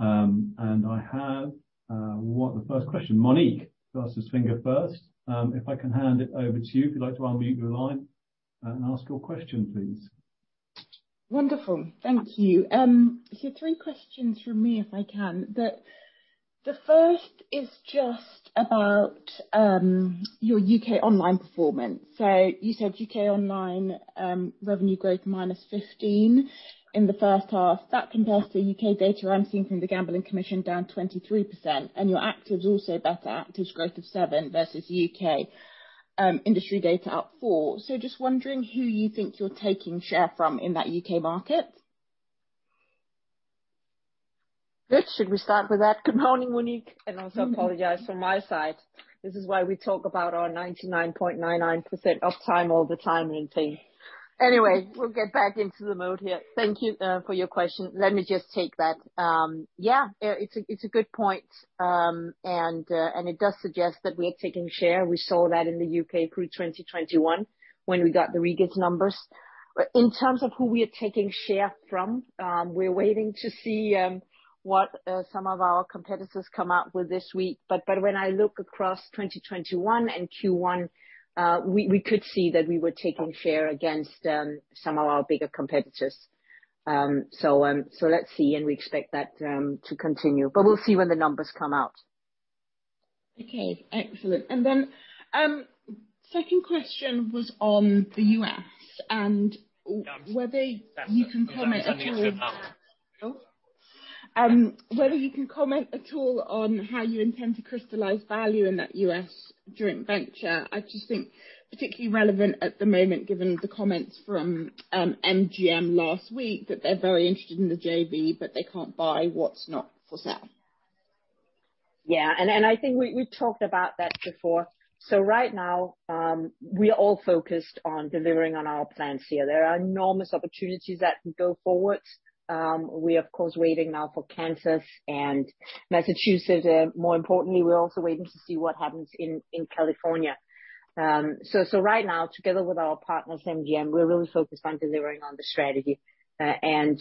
I have the first question. Monique, fastest finger first. If I can hand it over to you, if you'd like to unmute your line and ask your question, please. Wonderful. Thank you. Three questions from me, if I can. The first is just about your U.K. online performance. You said U.K. online revenue growth -15% in the first half. That compares to U.K. data I'm seeing from the Gambling Commission down 23%, and your actives also better. Actives growth of 7% versus U.K. industry data up 4%. Just wondering who you think you're taking share from in that U.K. market. Good. Should we start with that? Good morning, Monique. Also apologize from my side. This is why we talk about our 99.99% uptime all the time in team. Anyway, we'll get back into the mode here. Thank you for your question. Let me just take that. Yeah, it's a good point. It does suggest that we are taking share. We saw that in the U.K. through 2021 when we got the regulator's numbers. In terms of who we are taking share from, we're waiting to see. What some of our competitors come out with this week. When I look across 2021 and Q1, we could see that we were taking share against some of our bigger competitors. Let's see, and we expect that to continue. We'll see when the numbers come out. Okay, excellent. Second question was on the U.S. and whether you can comment at all on how you intend to crystallize value in that U.S. joint venture. I just think particularly relevant at the moment, given the comments from MGM last week that they're very interested in the JV, but they can't buy what's not for sale. Yeah. I think we talked about that before. Right now, we are all focused on delivering on our plans here. There are enormous opportunities that can go forward. We are, of course, waiting now for Kansas and Massachusetts. More importantly, we're also waiting to see what happens in California. Right now, together with our partners, MGM, we're really focused on delivering on the strategy.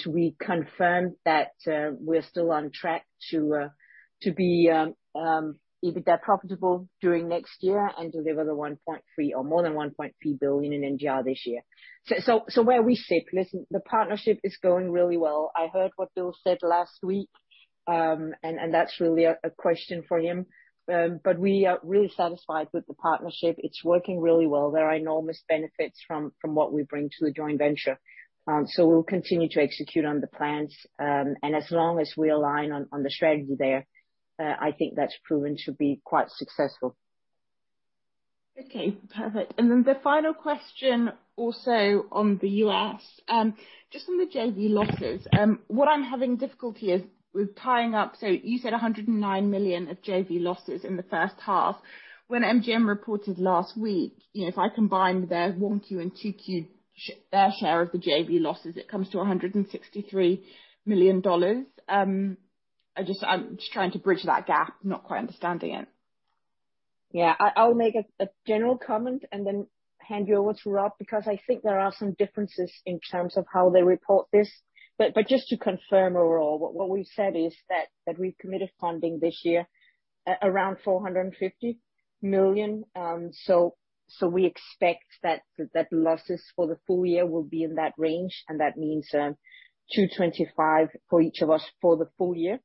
We confirm that we're still on track to be EBITDA profitable during next year and deliver the $1.3 billion or more than $1.3 billion in NGR this year. Where we sit, listen, the partnership is going really well. I heard what Bill said last week, and that's really a question for him. We are really satisfied with the partnership. It's working really well. There are enormous benefits from what we bring to the joint venture. We'll continue to execute on the plans, and as long as we align on the strategy there, I think that's proven to be quite successful. Okay, perfect. The final question also on the U.S. Just on the JV losses. What I'm having difficulty is with tying up, so you said 109 million of JV losses in the first half. When MGM reported last week, if I combine their 1Q and 2Q, their share of the JV losses, it comes to $163 million. I'm just trying to bridge that gap. Not quite understanding it. Yeah. I'll make a general comment and then hand you over to Rob, because I think there are some differences in terms of how they report this. Just to confirm overall, what we said is that we've committed funding this year at around $450 million. We expect that the losses for the full year will be in that range, and that means $225 for each of us for the full year.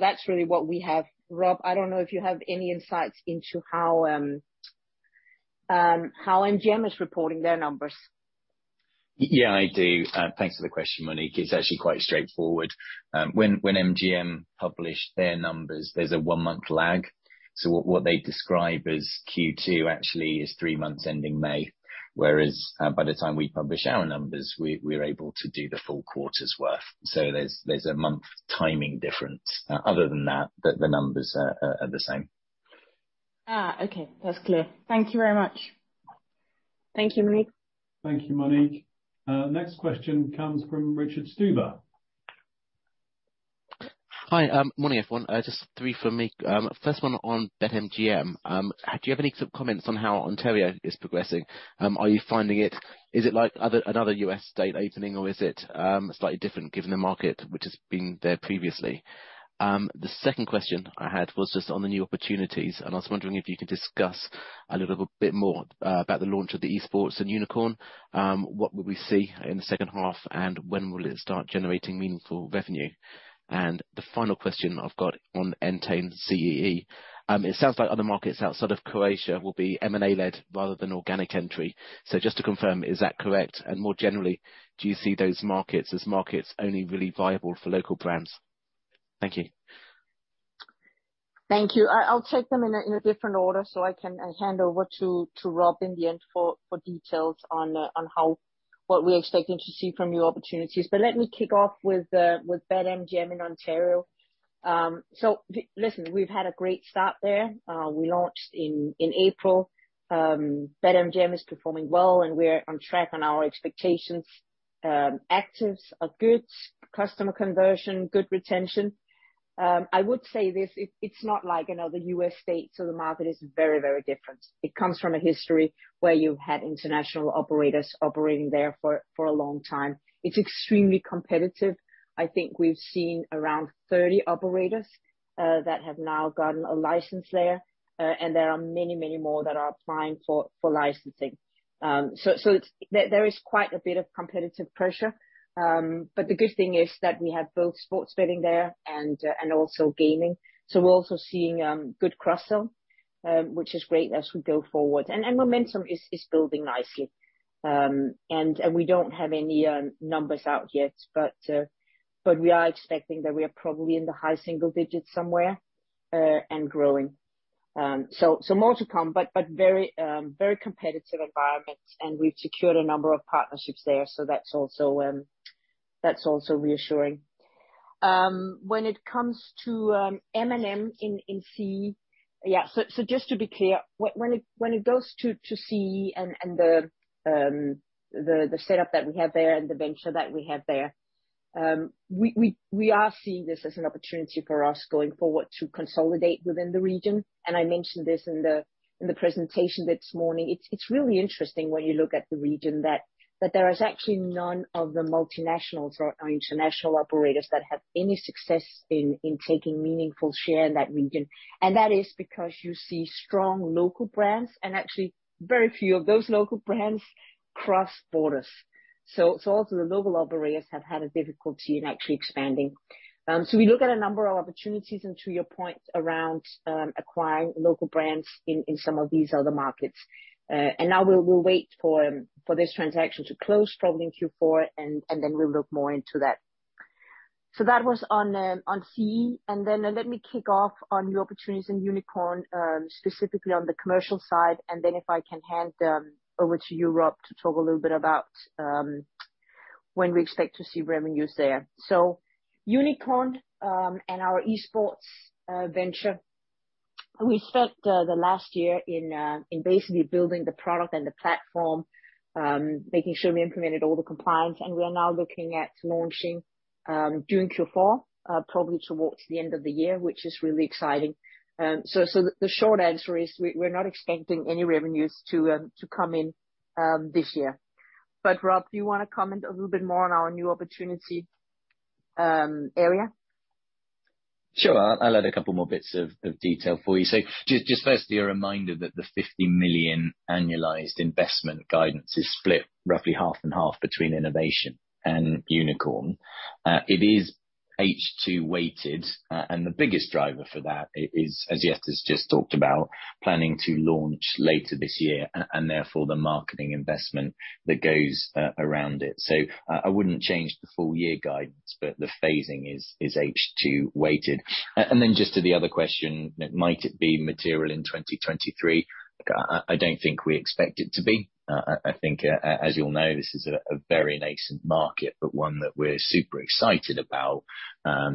That's really what we have. Rob, I don't know if you have any insights into how MGM is reporting their numbers. Yeah, I do. Thanks for the question, Monique. It's actually quite straightforward. When MGM publish their numbers, there's a one-month lag, so what they describe as Q2 actually is three months ending May. Whereas, by the time we publish our numbers, we're able to do the full quarter's worth. So there's a month timing difference. Other than that, the numbers are the same. Okay. That's clear. Thank you very much. Thank you, Monique. Thank you, Monique. Next question comes from Richard Stuber. Hi. Morning, everyone. Just three from me. First one on BetMGM. Do you have any comments on how Ontario is progressing? Are you finding it? Is it like another U.S. state opening or is it slightly different given the market which has been there previously? The second question I had was just on the new opportunities, and I was wondering if you could discuss a little bit more about the launch of the esports in Unikrn. What would we see in the second half, and when will it start generating meaningful revenue? The final question I've got on Entain CEE. It sounds like other markets outside of Croatia will be M&A-led rather than organic entry. Just to confirm, is that correct? More generally, do you see those markets as markets only really viable for local brands? Thank you. Thank you. I'll take them in a different order, so I can hand over to Rob in the end for details on what we're expecting to see from new opportunities. Let me kick off with BetMGM in Ontario. So listen, we've had a great start there. We launched in April. BetMGM is performing well, and we're on track on our expectations. Actives are good. Customer conversion, good retention. I would say this. It's not like another U.S. state, so the market is very different. It comes from a history where you've had international operators operating there for a long time. It's extremely competitive. I think we've seen around 30 operators that have now gotten a license there, and there are many, many more that are applying for licensing. There is quite a bit of competitive pressure. The good thing is that we have both sports betting there and also gaming. We're also seeing good cross-sell, which is great as we go forward. Momentum is building nicely. We don't have any numbers out yet, but we are expecting that we are probably in the high single digits% somewhere and growing. More to come, but very competitive environment. We've secured a number of partnerships there, so that's also reassuring. When it comes to M&A in CEE, yeah, so just to be clear, when it goes to CEE and the setup that we have there and the venture that we have there, we are seeing this as an opportunity for us going forward to consolidate within the region, and I mentioned this in the presentation this morning. It's really interesting when you look at the region. There is actually none of the multinationals or international operators that have any success in taking meaningful share in that region. That is because you see strong local brands, and actually very few of those local brands cross borders. Also the local operators have had a difficulty in actually expanding. We look at a number of opportunities, and to your point, around acquiring local brands in some of these other markets. Now we'll wait for this transaction to close probably in Q4, and then we'll look more into that. That was on CEE. Let me kick off on new opportunities in Unikrn, specifically on the commercial side, and then if I can hand over to you, Rob, to talk a little bit about when we expect to see revenues there. Unikrn and our esports venture, we spent the last year in basically building the product and the platform, making sure we implemented all the compliance, and we are now looking at launching during Q4 probably towards the end of the year, which is really exciting. The short answer is we're not expecting any revenues to come in this year. Rob, do you wanna comment a little bit more on our new opportunity area? Sure. I'll add a couple more bits of detail for you. Just firstly, a reminder that the 50 million annualized investment guidance is split roughly half and half between innovation and Unikrn. It is H2 weighted. The biggest driver for that is, as Jette's just talked about, planning to launch later this year and therefore the marketing investment that goes around it. I wouldn't change the full year guidance, but the phasing is H2 weighted. Then just to the other question, might it be material in 2023? Look, I don't think we expect it to be. I think, as you all know, this is a very nascent market, but one that we're super excited about. I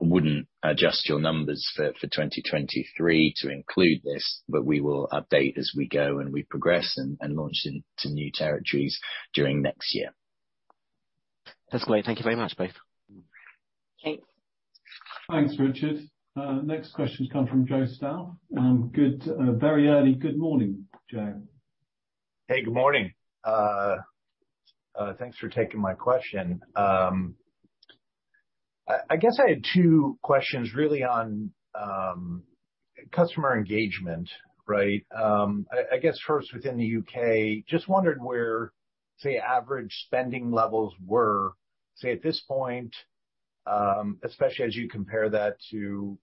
wouldn't adjust your numbers for 2023 to include this, but we will update as we go and we progress and launch into new territories during next year. That's great. Thank you very much, both. Thanks. Thanks, Richard. Next question comes from Joe Stauff. Very early. Good morning, Joe. Hey, good morning. Thanks for taking my question. I guess I had two questions really on customer engagement, right? I guess first within the U.K., just wondered where, say, average spending levels were, say, at this point, especially as you compare that to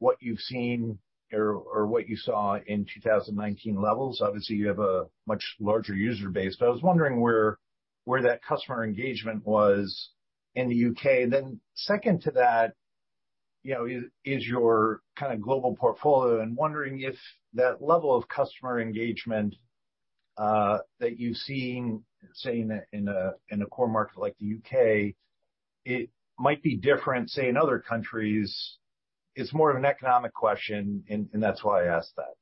what you've seen or what you saw in 2019 levels. Obviously, you have a much larger user base, but I was wondering where that customer engagement was in the U.K. Second to that, you know, is your kinda global portfolio and wondering if that level of customer engagement that you've seen, say, in a core market like the U.K., it might be different, say, in other countries. It's more of an economic question and that's why I ask that.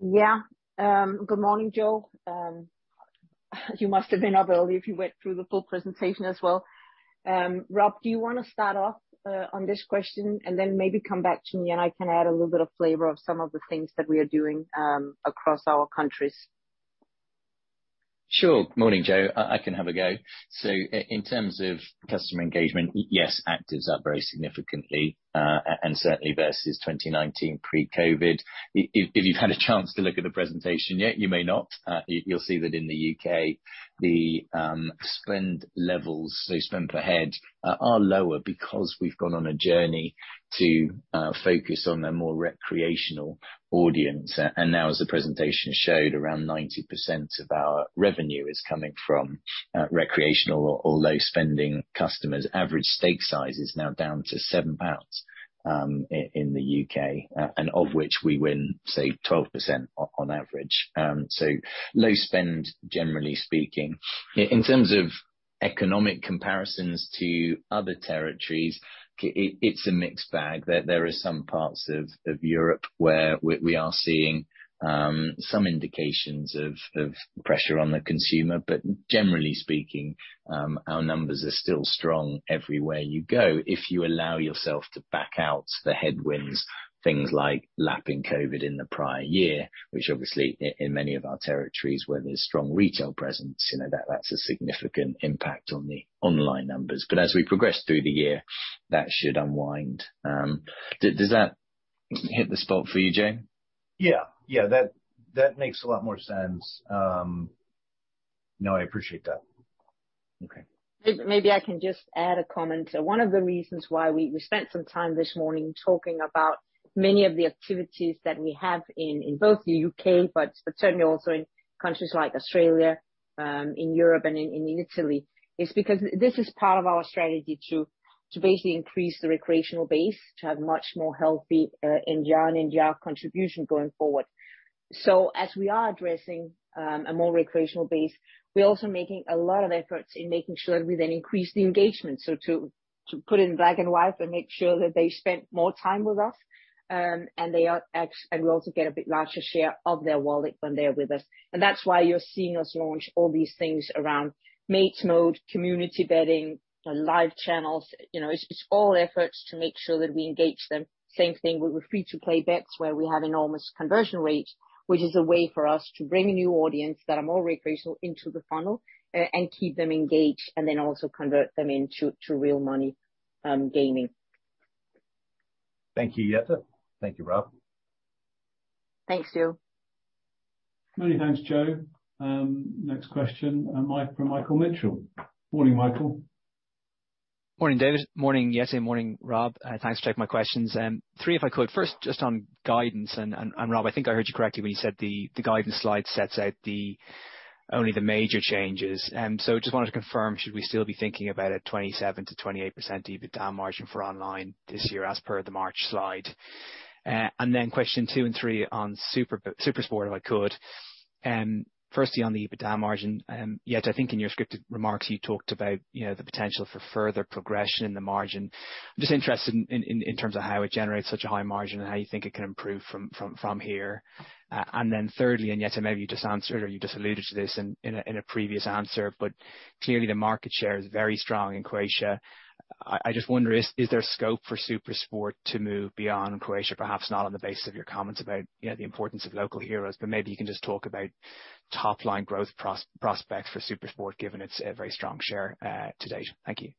Yeah. Good morning, Joe. You must have been up early if you went through the full presentation as well. Rob, do you wanna start off on this question and then maybe come back to me, and I can add a little bit of flavor of some of the things that we are doing across our countries? Sure. Morning, Joe. I can have a go. In terms of customer engagement, yes, actives are very significantly and certainly versus 2019 pre-COVID. If you've had a chance to look at the presentation yet, you may not, you'll see that in the U.K., the spend levels, so spend per head, are lower because we've gone on a journey to focus on a more recreational audience. Now, as the presentation showed, around 90% of our revenue is coming from recreational or low-spending customers. Average stake size is now down to 7 pounds in the U.K., and of which we win, say, 12% on average. Low spend, generally speaking. In terms of economic comparisons to other territories, it is a mixed bag. There are some parts of Europe where we are seeing some indications of pressure on the consumer. Generally speaking, our numbers are still strong everywhere you go, if you allow yourself to back out the headwinds, things like lapping COVID in the prior year, which obviously in many of our territories where there's strong retail presence, you know, that's a significant impact on the online numbers. As we progress through the year, that should unwind. Does that hit the spot for you, Joe? Yeah, that makes a lot more sense. No, I appreciate that. Okay. Maybe I can just add a comment. One of the reasons why we spent some time this morning talking about many of the activities that we have in both the U.K., but certainly also in countries like Australia, in Europe and in Italy, is because this is part of our strategy to basically increase the recreational base, to have much more healthy year-on-year contribution going forward. As we are addressing a more recreational base, we're also making a lot of efforts in making sure that we then increase the engagement. To put it in black and white, we make sure that they spend more time with us, and we also get a bit larger share of their wallet when they're with us. That's why you're seeing us launch all these things around Mates Mode, community betting, live channels. You know, it's all efforts to make sure that we engage them. Same thing with free-to-play bets where we have enormous conversion rates, which is a way for us to bring a new audience that are more recreational into the funnel, and keep them engaged and then also convert them into real money gaming. Thank you, Jette. Thank you, Rob. Thanks, Joe. Many thanks, Joe. Next question, line for Michael Mitchell. Morning, Michael. Morning, David. Morning, Jette. Morning, Rob. Thanks for taking my questions. Three, if I could. First, just on guidance, and Rob, I think I heard you correctly when you said the guidance slide sets out only the major changes. Just wanted to confirm, should we still be thinking about a 27%-28% EBITDA margin for online this year as per the March slide? Then question two and three on SuperSport, if I could. Firstly, on the EBITDA margin, Jette, I think in your scripted remarks, you talked about, you know, the potential for further progression in the margin. I'm just interested in terms of how it generates such a high margin and how you think it can improve from here. Thirdly, Jette, maybe you just answered or you just alluded to this in a previous answer, but clearly the market share is very strong in Croatia. I just wonder, is there scope for SuperSport to move beyond Croatia? Perhaps not on the basis of your comments about, you know, the importance of local heroes, but maybe you can just talk about top line growth prospects for SuperSport, given its very strong share-to-date? Thank you.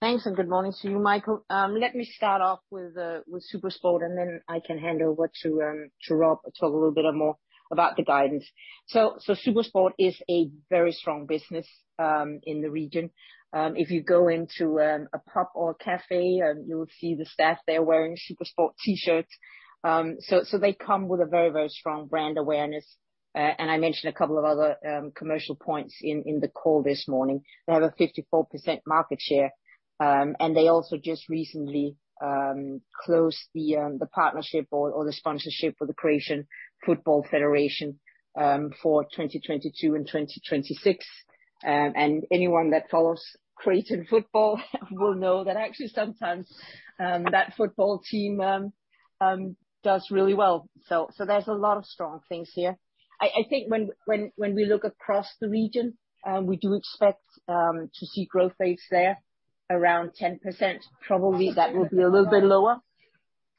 Thanks, and good morning to you, Michael. Let me start off with SuperSport, and then I can hand over to Rob to talk a little bit more about the guidance. SuperSport is a very strong business in the region. If you go into a pub or cafe, you'll see the staff there wearing SuperSport T-shirts. They come with a very, very strong brand awareness. I mentioned a couple of other commercial points in the call this morning. They have a 54% market share, and they also just recently closed the partnership or the sponsorship with the Croatian Football Federation for 2022 and 2026. Anyone that follows Croatian football will know that actually sometimes that football team does really well. There's a lot of strong things here. I think when we look across the region, we do expect to see growth rates there around 10%. Probably that will be a little bit lower.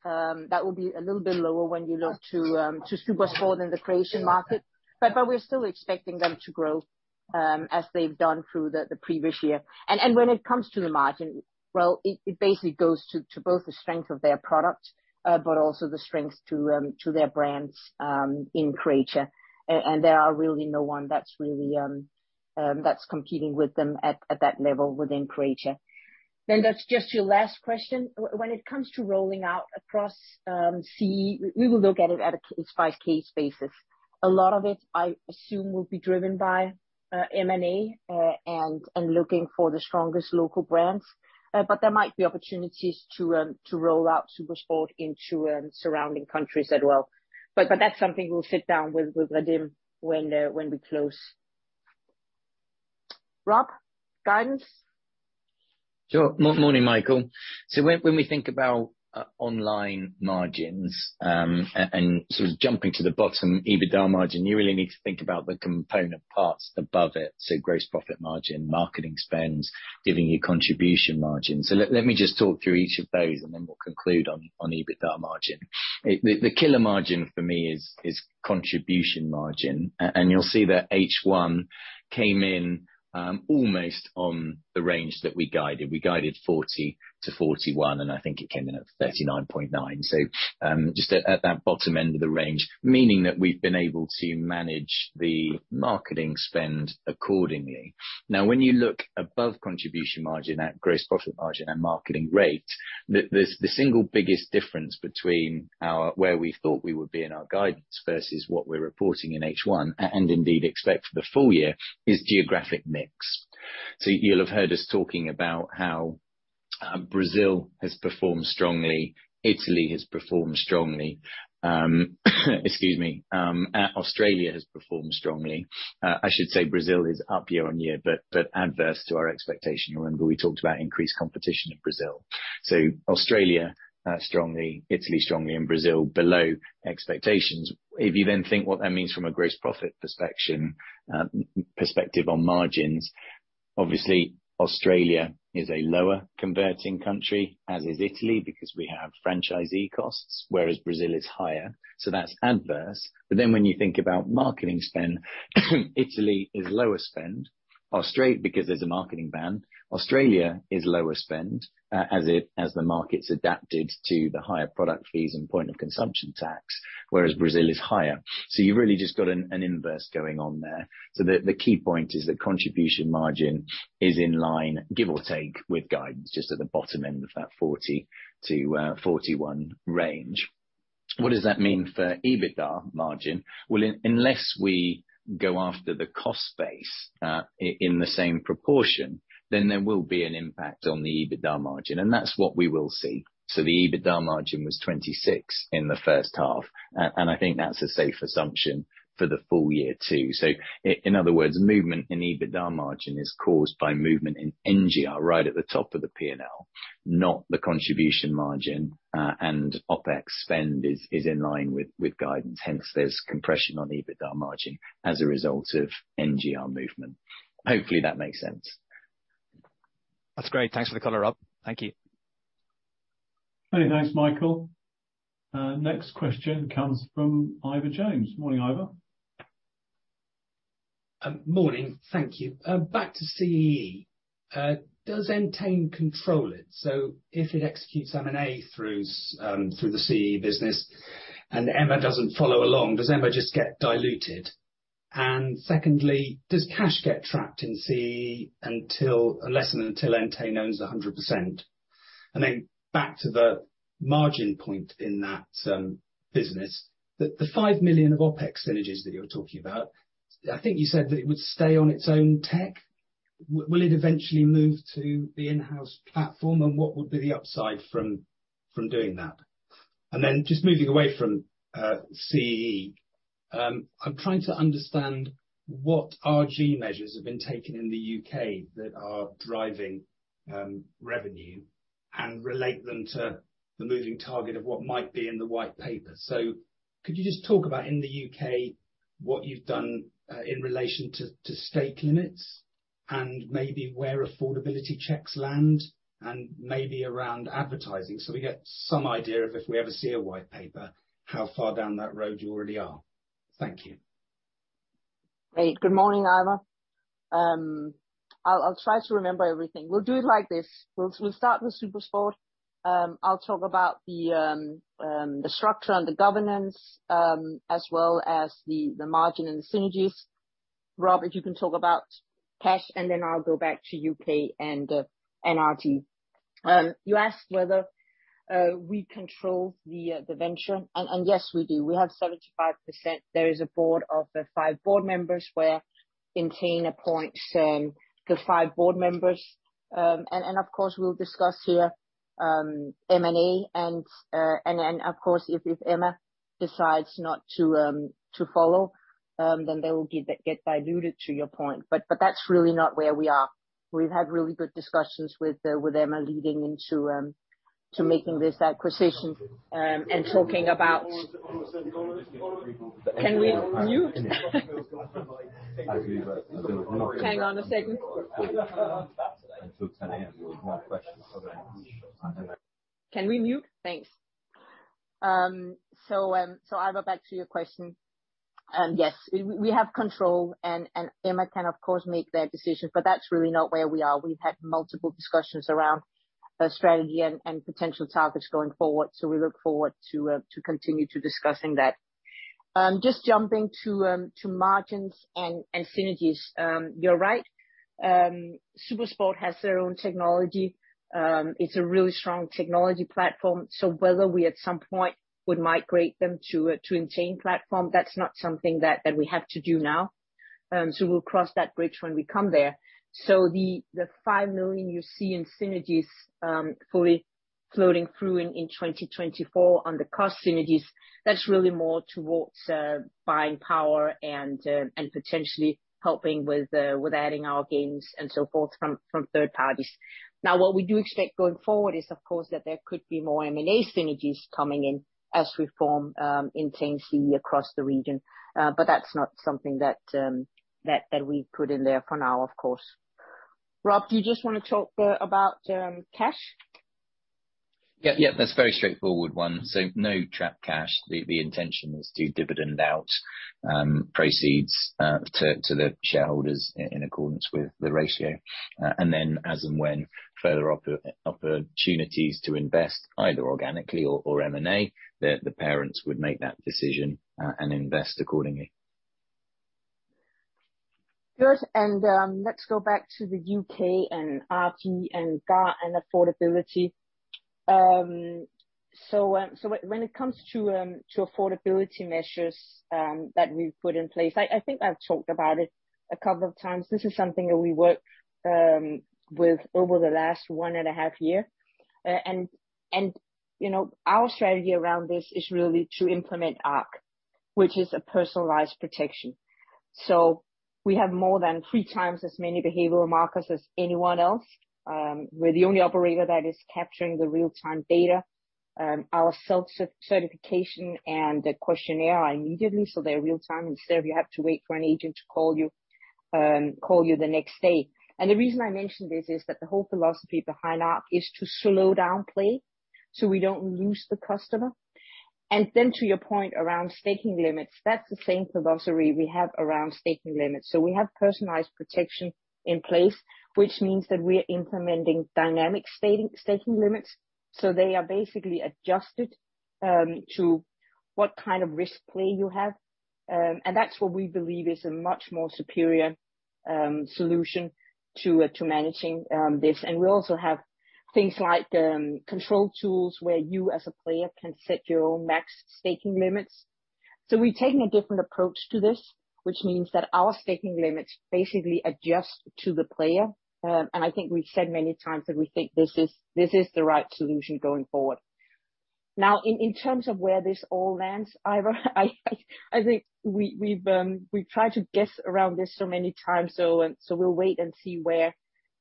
That will be a little bit lower when you look to SuperSport in the Croatian market. We're still expecting them to grow as they've done through the previous year. When it comes to the margin, well, it basically goes to both the strength of their product but also the strength to their brands in Croatia. There are really no one that's competing with them at that level within Croatia. That's just your last question. When it comes to rolling out across CE, we will look at it on a case-by-case basis. A lot of it, I assume, will be driven by M&A and looking for the strongest local brands. There might be opportunities to roll out SuperSport into surrounding countries as well. That's something we'll sit down with Radim when we close. Rob, guidance? Morning, Michael. When we think about online margins and sort of jumping to the bottom EBITDA margin, you really need to think about the component parts above it. Gross profit margin, marketing spend giving you contribution margin. Let me just talk through each of those, and then we'll conclude on EBITDA margin. The killer margin for me is contribution margin. And you'll see that H1 came in almost on the range that we guided. We guided 40%-41%, and I think it came in at 39.9%. Just at that bottom end of the range, meaning that we've been able to manage the marketing spend accordingly. Now, when you look above contribution margin at gross profit margin and marketing rate, the single biggest difference between where we thought we would be in our guidance versus what we're reporting in H1, and indeed expect for the full year, is geographic mix. You'll have heard us talking about how Brazil has performed strongly, Italy has performed strongly. Australia has performed strongly. I should say Brazil is up year-on-year, but adverse to our expectation. You'll remember we talked about increased competition in Brazil. Australia strongly, Italy strongly, and Brazil below expectations. If you then think what that means from a gross profit perspective on margins, obviously Australia is a lower converting country, as is Italy, because we have franchisee costs, whereas Brazil is higher. That's adverse. When you think about marketing spend, Italy is lower spend. Australia is lower spend because there's a marketing ban, as the market's adapted to the higher product fees and point of consumption tax, whereas Brazil is higher. You've really just got an inverse going on there. The key point is that contribution margin is in line, give or take, with guidance, just at the bottom end of that 40%-41% range. What does that mean for EBITDA margin? Well, unless we go after the cost base in the same proportion, then there will be an impact on the EBITDA margin, and that's what we will see. The EBITDA margin was 26% in the first half. And I think that's a safe assumption for the full year, too. In other words, movement in EBITDA margin is caused by movement in NGR right at the top of the P&L, not the contribution margin, and OpEx spend is in line with guidance. Hence, there's compression on EBITDA margin as a result of NGR movement. Hopefully that makes sense. That's great. Thanks for the color, Rob. Thank you. Many thanks, Michael. Next question comes from Ivor Jones. Morning, Ivor. Morning. Thank you. Back to CEE. Does Entain control it? If it executes M&A through the CEE business and EMMA doesn't follow along, does EMMA just get diluted? Does cash get trapped in CEE until Entain owns 100%? Back to the margin point in that business. The 5 million of OpEx synergies that you were talking about, I think you said that it would stay on its own tech. Will it eventually move to the in-house platform and what would be the upside from doing that? Moving away from CEE, I'm trying to understand what RG measures have been taken in the U.K. that are driving revenue and relate them to the moving target of what might be in the white paper. Could you just talk about, in the U.K., what you've done in relation to stake limits and maybe where affordability checks land and maybe around advertising, so we get some idea of if we ever see a white paper, how far down that road you already are? Thank you. Great. Good morning, Ivor. I'll try to remember everything. We'll do it like this. We'll start with SuperSport. I'll talk about the structure and the governance as well as the margin and the synergies. Rob, if you can talk about cash, and then I'll go back to U.K. and RG. You asked whether we control the venture. Yes, we do. We have 75%. There is a board of five board members where Entain appoints the five board members. Of course, we'll discuss here M&A and then, of course, if EMMA decides not to follow, then they will get diluted, to your point. That's really not where we are. We've had really good discussions with EMMA leading into to making this acquisition, and talking about. Can we mute? I believe there was Hang on a second. Until 10:00 A.M., there was one question. Can we mute? Thanks. Ivor, back to your question. Yes, we have control and EMMA can, of course, make their decisions, but that's really not where we are. We've had multiple discussions around the strategy and potential targets going forward, so we look forward to continue to discussing that. Just jumping to margins and synergies. You're right. SuperSport has their own technology. It's a really strong technology platform. Whether we, at some point, would migrate them to Entain platform, that's not something that we have to do now. We'll cross that bridge when we come there. The 5 million you see in synergies fully floating through in 2024 on the cost synergies, that's really more towards buying power and potentially helping with adding our games and so forth from third parties. Now, what we do expect going forward is, of course, that there could be more M&A synergies coming in as we form Entain CEE across the region. That's not something that we put in there for now, of course. Rob, do you just wanna talk about cash? Yeah. Yeah, that's a very straightforward one. No trapped cash. The intention is to dividend out proceeds to the shareholders in accordance with the ratio. As and when further opportunities to invest, either organically or M&A, the parents would make that decision, and invest accordingly. Good. Let's go back to the U.K. and RG and GAR and affordability. When it comes to affordability measures that we've put in place, I think I've talked about it a couple of times. This is something that we worked with over the last one and a half years. You know, our strategy around this is really to implement ARC, which is a personalized protection. We have more than 3x as many behavioral markers as anyone else. We're the only operator that is capturing the real-time data. Our self-certification and the questionnaire are immediate, so they're real-time. Instead of you have to wait for an agent to call you the next day. The reason I mention this is that the whole philosophy behind ARC is to slow down play, so we don't lose the customer. To your point around staking limits, that's the same philosophy we have around staking limits. We have personalized protection in place, which means that we are implementing dynamic staking limits, so they are basically Adjusted to what kind of risk profile you have. That's what we believe is a much more superior solution to managing this. We also have things like control tools, where you as a player can set your own max staking limits. We've taken a different approach to this, which means that our staking limits basically adjust to the player. I think we've said many times that we think this is the right solution going forward. Now, in terms of where this all lands, Ivor, I think we've tried to guess around this so many times, so we'll wait and see where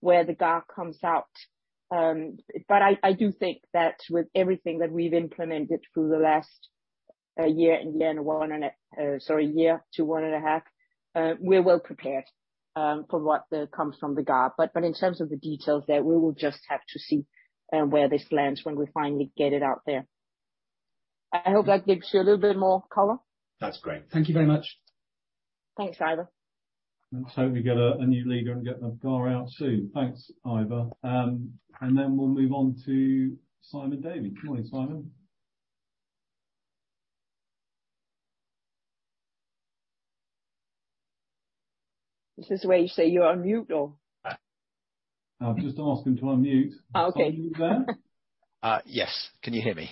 the GAR comes out. I do think that with everything that we've implemented through the last year to one and a half, we're well prepared for what comes from the GAR. In terms of the details there, we will just have to see where this lands when we finally get it out there. I hope that gives you a little bit more color. That's great. Thank you very much. Thanks, Ivor. Let's hope we get a new leader and get the GAR out soon. Thanks, Ivor. We'll move on to Simon Davies. Morning, Simon. Is this where you say you're on mute or? I've just asked him to unmute. Okay. Is Simon there? Yes. Can you hear me?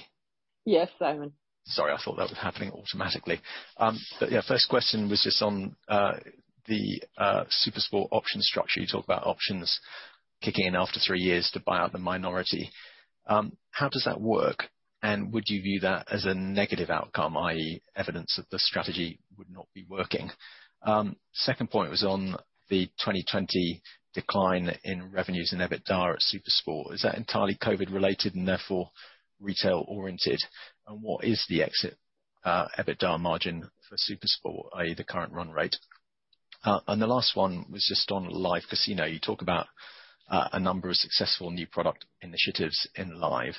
Yes, Simon. Sorry, I thought that was happening automatically. Yeah, first question was just on the SuperSport option structure. You talked about options kicking in after three years to buy out the minority. How does that work? And would you view that as a negative outcome, i.e., evidence that the strategy would not be working? Second point was on the 2020 decline in revenues and EBITDA at SuperSport. Is that entirely COVID related and therefore retail oriented? And what is the exit EBITDA margin for SuperSport, i.e., the current run rate? And the last one was just on live casino. You talk about a number of successful new product initiatives in live.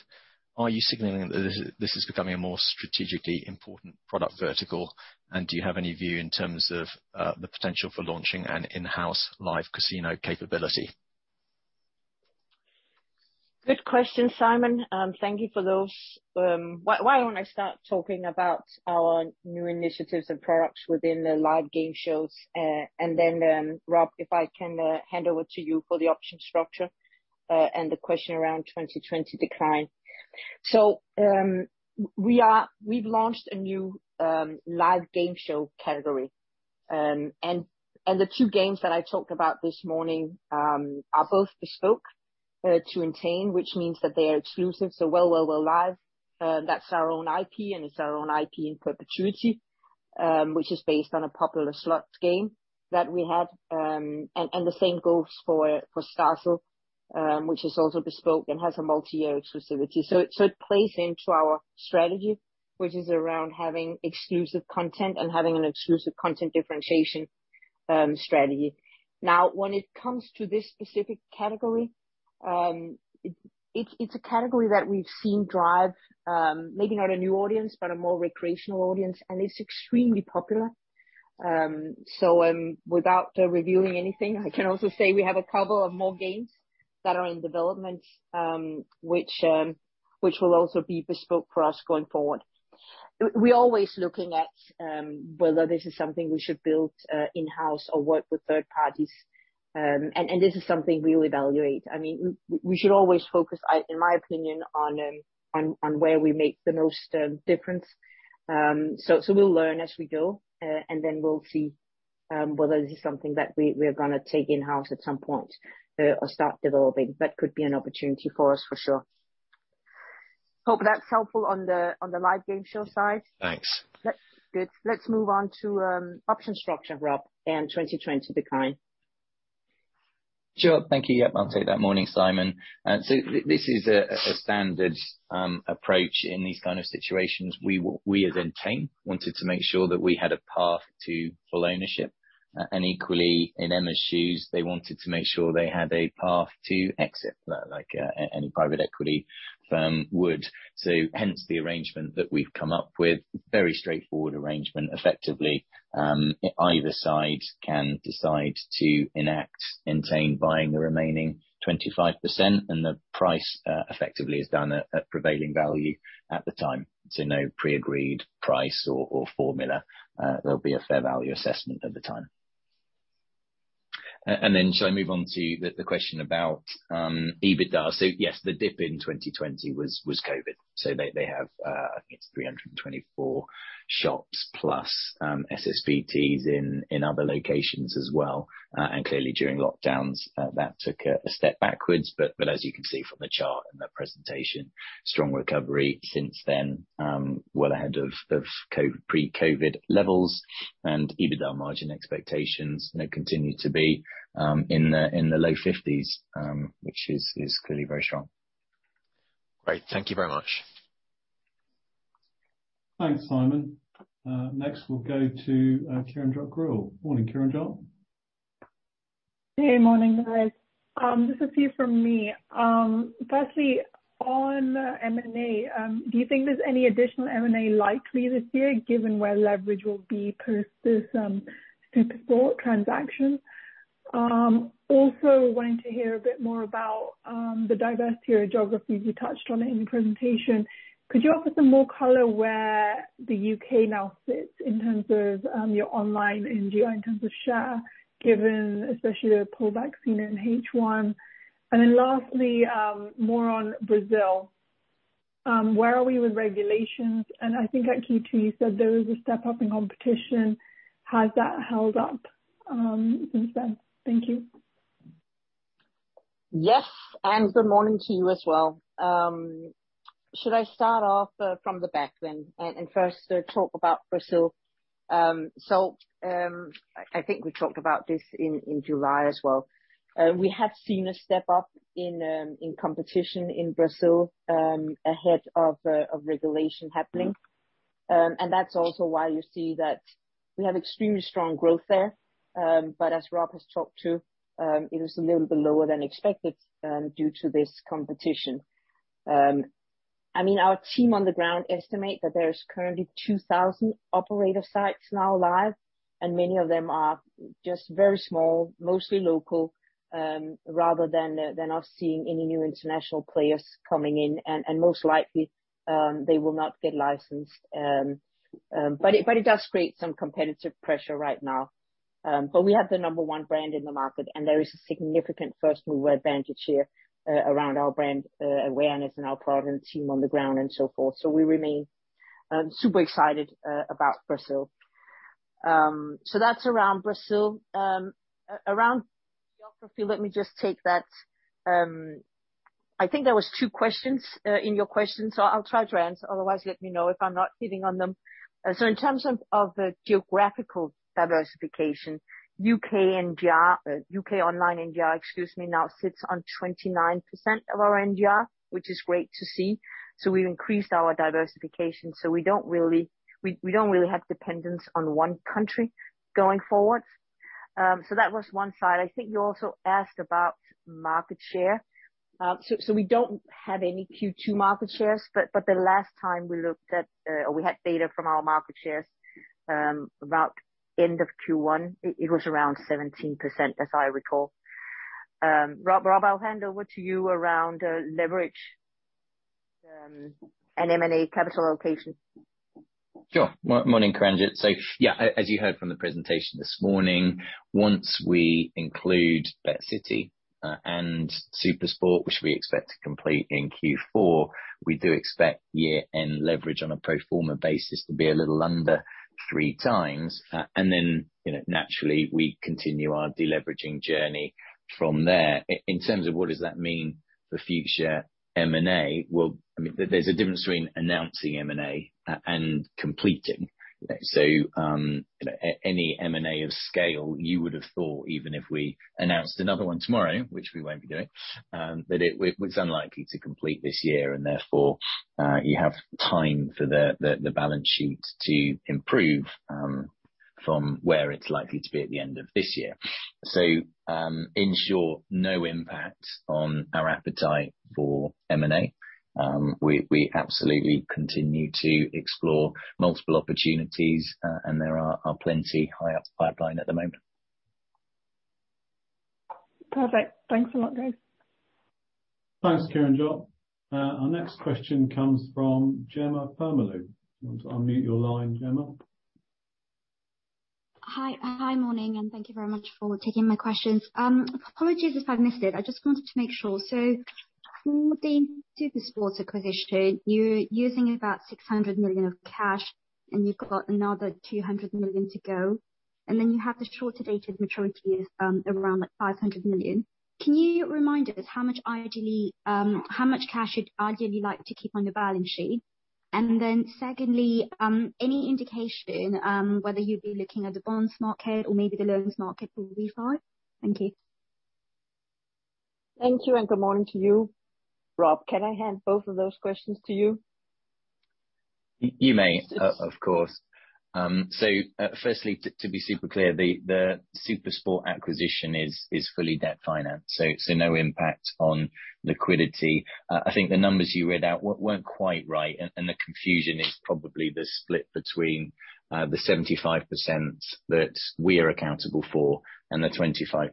Are you signaling that this is becoming a more strategically important product vertical? And do you have any view in terms of the potential for launching an in-house live casino capability? Good question, Simon. Thank you for those. Why don't I start talking about our new initiatives and products within the live game shows, and then, Rob, if I can, hand over to you for the option structure, and the question around 2020 decline. We've launched a new live game show category. The two games that I talked about this morning are both bespoke to Entain, which means that they are exclusive. Well Well Well Live, that's our own IP, and it's our own IP in perpetuity, which is based on a popular slots game that we had. The same goes for Starzle, which is also bespoke and has a multi-year exclusivity. It plays into our strategy, which is around having exclusive content and having an exclusive content differentiation strategy. Now, when it comes to this specific category, it's a category that we've seen drive maybe not a new audience, but a more recreational audience, and it's extremely popular. Without revealing anything, I can also say we have a couple of more games that are in development, which will also be bespoke for us going forward. We're always looking at whether this is something we should build in-house or work with third parties. This is something we'll evaluate. I mean, we should always focus, in my opinion, on where we make the most difference. We'll learn as we go, and then we'll see whether this is something that we're gonna take in-house at some point, or start developing. That could be an opportunity for us for sure. Hope that's helpful on the live game show side. Thanks. Good. Let's move on to option structure, Rob, and 2020 decline. Sure. Thank you. Yep, I'll take that. Morning, Simon. This is a standard approach in these kind of situations. We as Entain wanted to make sure that we had a path to full ownership. Equally in EMMA's shoes, they wanted to make sure they had a path to exit, like any private equity firm would. Hence the arrangement that we've come up with. Very straightforward arrangement. Effectively, either side can decide to enact Entain buying the remaining 25%, and the price effectively is done at prevailing value at the time. No pre-agreed price or formula. There'll be a fair value assessment at the time. Then shall I move on to the question about EBITDA? Yes, the dip in 2020 was COVID. They have I think 324 shops plus SSBTs in other locations as well. Clearly during lockdowns, that took a step backwards, but as you can see from the chart and the presentation, strong recovery since then, well ahead of pre-COVID levels and EBITDA margin expectations, you know, continue to be in the low 50s%, which is clearly very strong. Great. Thank you very much. Thanks, Simon. Next we'll go to Kiranjot Grewal. Morning, Kiranjot. Hey. Morning, guys. Just a few from me. Firstly, on M&A, do you think there's any additional M&A likely this year given where leverage will be post this SuperSport transaction? Also wanting to hear a bit more about the diversity or geographies you touched on in the presentation. Could you offer some more color where the U.K. now sits in terms of your online NGR in terms of share, given especially the pullback seen in H1? Lastly, more on Brazil. Where are we with regulations? I think at Q2 you said there was a step up in competition. Has that held up since then? Thank you. Yes, good morning to you as well. Should I start off from the back then and first talk about Brazil? I think we talked about this in July as well. We have seen a step up in competition in Brazil ahead of regulation happening. That's also why you see that we have extremely strong growth there. As Rob has talked about, it is a little bit lower than expected due to this competition. I mean, our team on the ground estimate that there is currently 2,000 operator sites now live, and many of them are just very small, mostly local, rather than us seeing any new international players coming in. Most likely, they will not get licensed. It does create some competitive pressure right now. We have the number one brand in the market, and there is a significant first-mover advantage here, around our brand, awareness and our product team on the ground and so forth. We remain super excited about Brazil. That's around Brazil. Around geography, let me just take that. I think there were two questions in your question, so I'll try to answer. Otherwise, let me know if I'm not hitting on them. In terms of the geographical diversification, U.K. NGR, U.K. online NGR, excuse me, now sits on 29% of our NGR, which is great to see. We've increased our diversification. We don't really have dependence on one country going forward. That was one side. I think you also asked about market share. We don't have any Q2 market shares, but the last time we looked at, or we had data from our market shares, about end of Q1, it was around 17%, as I recall. Rob, I'll hand over to you around leverage, and M&A capital allocation. Sure. Morning, Kiranjot. Yeah, as you heard from the presentation this morning, once we include BetCity and SuperSport, which we expect to complete in Q4, we do expect year-end leverage on a pro forma basis to be a little under 3x. You know, naturally we continue our deleveraging journey from there. In terms of what does that mean for future M&A, well, I mean, there's a difference between announcing M&A and completing. Any M&A of scale, you would have thought, even if we announced another one tomorrow, which we won't be doing, that it was unlikely to complete this year, and therefore, you have time for the balance sheet to improve from where it's likely to be at the end of this year. In short, no impact on our appetite for M&A. We absolutely continue to explore multiple opportunities, and there are plenty high up the pipeline at the moment. Perfect. Thanks a lot, guys. Thanks, Kiranjot. Our next question comes from Jemma Permaloo. Do you want to unmute your line, Gemma? Hi. Hi, morning, and thank you very much for taking my questions. Apologies if I've missed it. I just wanted to make sure. From the SuperSport acquisition, you're using about 600 million of cash, and you've got another 200 million to go, and then you have the short-dated maturities, around, like, 500 million. Can you remind us how much ideally, how much cash you'd ideally like to keep on your balance sheet? And then secondly, any indication, whether you'd be looking at the bonds market or maybe the loans market for refi? Thank you. Thank you, and good morning to you. Rob, can I hand both of those questions to you? You may, of course. Firstly, to be super clear, the SuperSport acquisition is fully debt financed, so no impact on liquidity. I think the numbers you read out weren't quite right, and the confusion is probably the split between the 75% that we are accountable for and the 25%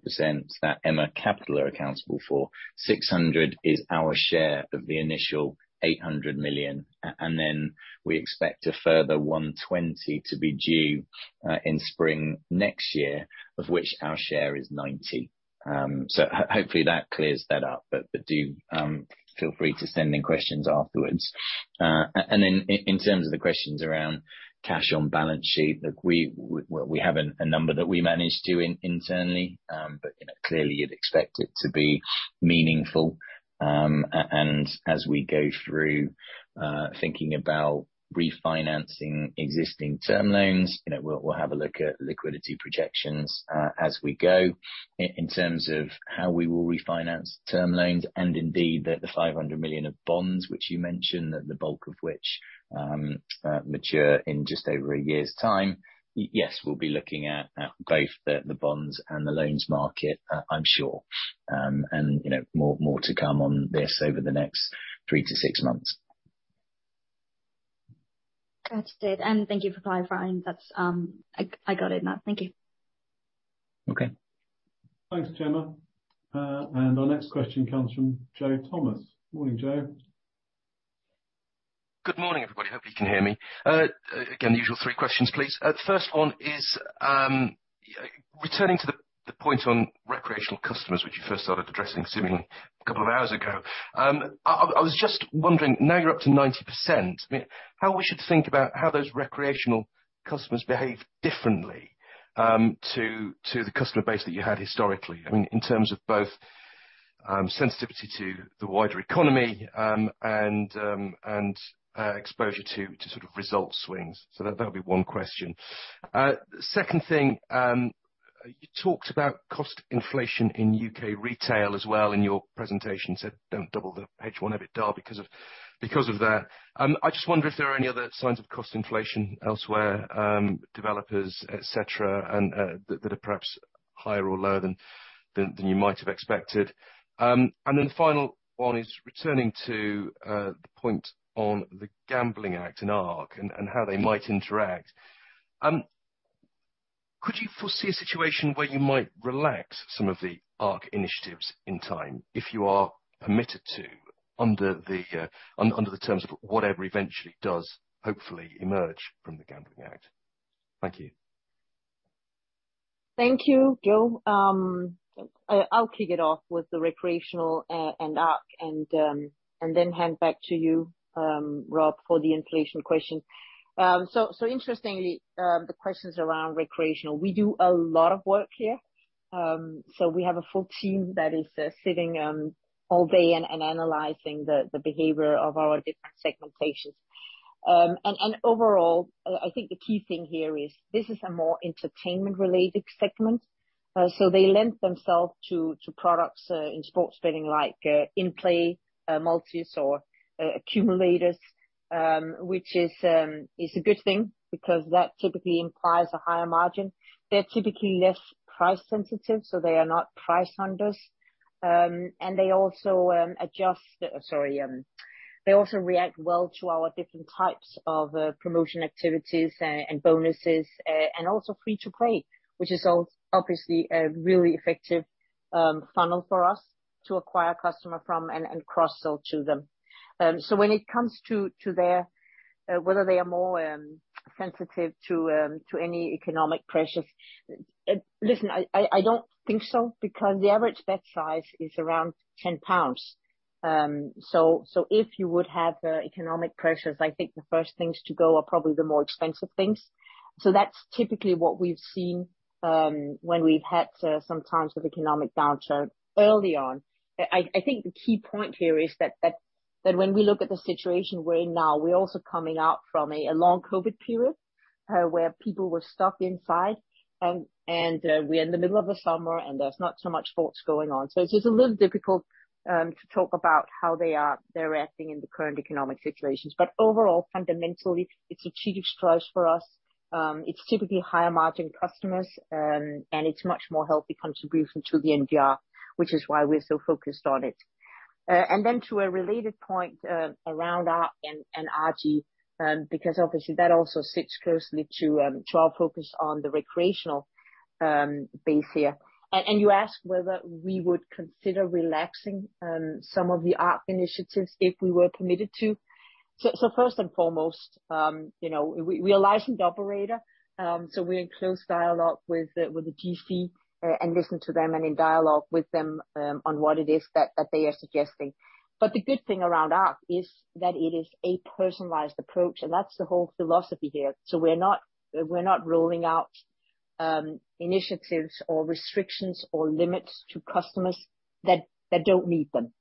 that EMMA Capital are accountable for. 600 million is our share of the initial 800 million, and then we expect a further 120 million to be due in spring next year, of which our share is 90 million. Hopefully that clears that up. Do feel free to send in questions afterwards. In terms of the questions around cash on balance sheet, look, we have a number that we manage to internally, but you know, clearly you'd expect it to be meaningful. As we go through thinking about refinancing existing term loans, you know, we'll have a look at liquidity projections as we go. In terms of how we will refinance term loans and indeed the 500 million of bonds which you mentioned, the bulk of which mature in just over a year's time. Yes, we'll be looking at both the bonds and the loans market, I'm sure, and you know, more to come on this over the next three to six months. Understood, and thank you for clarifying. That's, I got it now. Thank you. Okay. Thanks, Jemma. Our next question comes from Joe Thomas. Morning, Joe. Good morning, everybody. Hope you can hear me. Again, the usual three questions, please. First one is, returning to the point on recreational customers, which you first started addressing seemingly a couple of hours ago, I was just wondering now you're up to 90%. I mean, how we should think about how those recreational customers behave differently, to the customer base that you had historically, I mean, in terms of both, sensitivity to the wider economy, and exposure to sort of result swings. That'll be one question. Second thing, you talked about cost inflation in U.K. retail as well in your presentation, said don't doubt the H1 a bit dull because of that. I just wonder if there are any other signs of cost inflation elsewhere, developers et cetera, and that are perhaps higher or lower than you might have expected. Then the final one is returning to the point on the Gambling Act and ARC and how they might interact. Could you foresee a situation where you might relax some of the ARC initiatives in time if you are permitted to under the terms of whatever eventually does hopefully emerge from the Gambling Act? Thank you. Thank you, Joe. I'll kick it off with the recreational and ARC and then hand back to you, Rob, for the inflation question. Interestingly, the questions around recreational. We do a lot of work here. We have a full team that is sitting all day and analyzing the behavior of our different segmentations. Overall, I think the key thing here is this is a more entertainment related segment. They lend themselves to products in sports betting like in play, multis or accumulators, which is a good thing because that typically implies a higher margin. They're typically less price sensitive, so they are not price hunters. They also react well to our different types of promotion activities and bonuses, and also free to play, which is obviously a really effective funnel for us to acquire customer from and cross-sell to them. When it comes to their whether they are more sensitive to any economic pressures. Listen, I don't think so because the average bet size is around 10 pounds. If you would have the economic pressures, I think the first things to go are probably the more expensive things. That's typically what we've seen when we've had some times of economic downturn early on. I think the key point here is that when we look at the situation we're in now, we're also coming out from a long COVID period, where people were stuck inside, and we're in the middle of the summer, and there's not so much sports going on. It's just a little difficult to talk about how they're acting in the current economic situations. Overall, fundamentally, it's a strategic choice for us. It's typically higher margin customers, and it's much more healthy contribution to the NGR, which is why we're so focused on it. To a related point, around ARC and RG, because obviously that also sits closely to our focus on the recreational base here. You ask whether we would consider relaxing some of the ARC initiatives if we were permitted to. First and foremost, you know, we're a licensed operator, so we're in close dialogue with the GC, and listen to them and in dialogue with them, on what it is that they are suggesting. The good thing around ARC is that it is a personalized approach, and that's the whole philosophy here. We're not ruling out initiatives or restrictions or limits to customers that don't need them.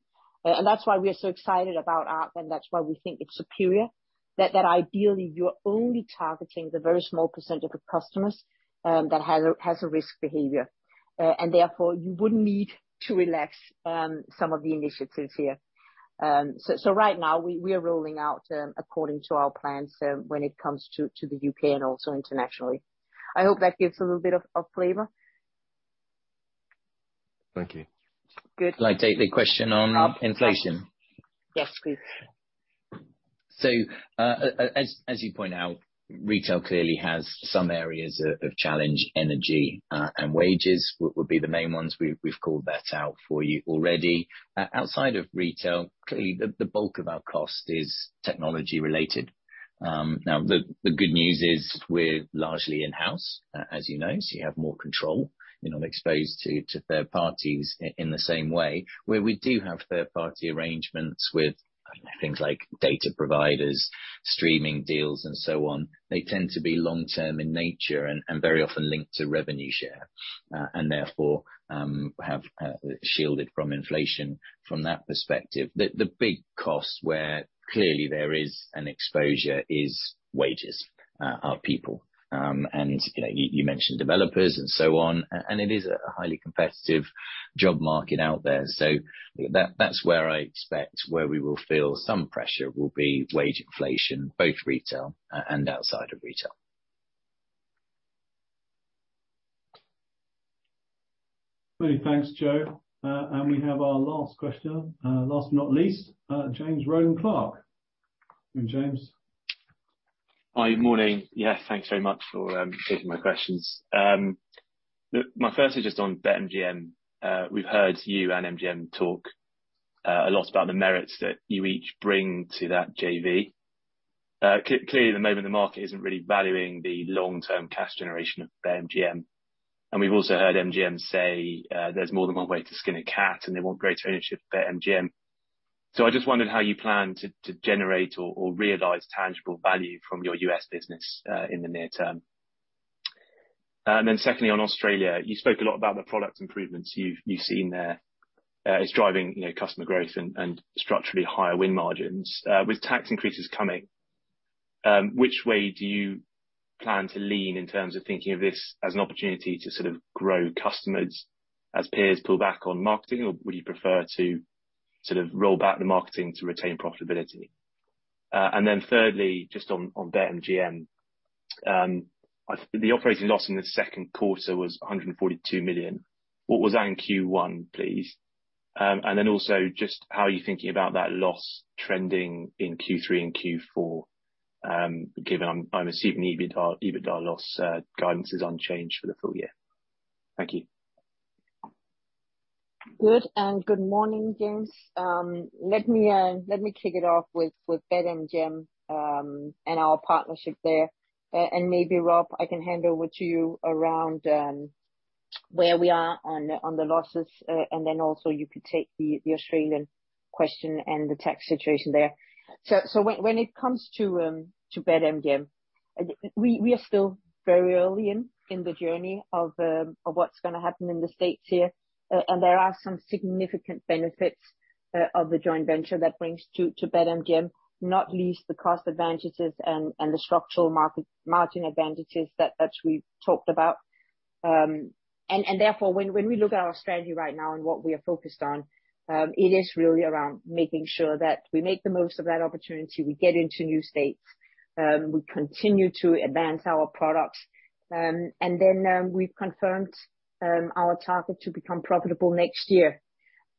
And that's why we are so excited about ARC, and that's why we think it's superior. That ideally, you're only targeting the very small percentage of customers that has a risk behavior. Therefore, you wouldn't need to relax some of the initiatives here. Right now we are rolling out according to our plans when it comes to the U.K. and also internationally. I hope that gives a little bit of flavor. Thank you. Good. Can I take the question on inflation? Yes, please. As you point out, retail clearly has some areas of challenge. Energy and wages would be the main ones. We've called that out for you already. Outside of retail, clearly the bulk of our cost is technology related. Now, the good news is we're largely in-house as you know, so you have more control. You're not exposed to third parties in the same way. Where we do have third party arrangements with things like data providers, streaming deals and so on, they tend to be long-term in nature and very often linked to revenue share and therefore have shielded from inflation from that perspective. The big cost where clearly there is an exposure is wages, our people. You know, you mentioned developers and so on. It is a highly competitive job market out there. That's where I expect we will feel some pressure will be wage inflation, both retail and outside of retail. Many thanks, Joe. We have our last question. Last but not least, James Rowland Clark. James? Hi. Good morning. Yes, thanks very much for taking my questions. My first is just on BetMGM. We've heard you and MGM talk a lot about the merits that you each bring to that JV. Clearly, the market isn't really valuing the long-term cash generation of BetMGM, and we've also heard MGM say there's more than one way to skin a cat, and they want greater ownership of BetMGM. I just wondered how you plan to generate or realize tangible value from your U.S. business in the near term. Secondly, on Australia, you spoke a lot about the product improvements you've seen there is driving, you know, customer growth and structurally higher win margins with tax increases coming. Which way do you plan to lean in terms of thinking of this as an opportunity to sort of grow customers as peers pull back on marketing? Or would you prefer to sort of roll back the marketing to retain profitability? Thirdly, just on BetMGM, the operating loss in the second quarter was $142 million. What was that in Q1, please? How are you thinking about that loss trending in Q3 and Q4, given I'm assuming EBITDA loss guidance is unchanged for the full year. Thank you. Good morning, James. Let me kick it off with BetMGM and our partnership there. Maybe Rob, I can hand over to you around where we are on the losses, and then also you could take the Australian question and the tax situation there. When it comes to BetMGM, we are still very early in the journey of what's gonna happen in the States here, and there are some significant benefits of the joint venture that brings to BetMGM, not least the cost advantages and the structural market-margin advantages that we've talked about. Therefore, when we look at our strategy right now and what we are focused on, it is really around making sure that we make the most of that opportunity. We get into new states. We continue to advance our products. We've confirmed our target to become profitable next year.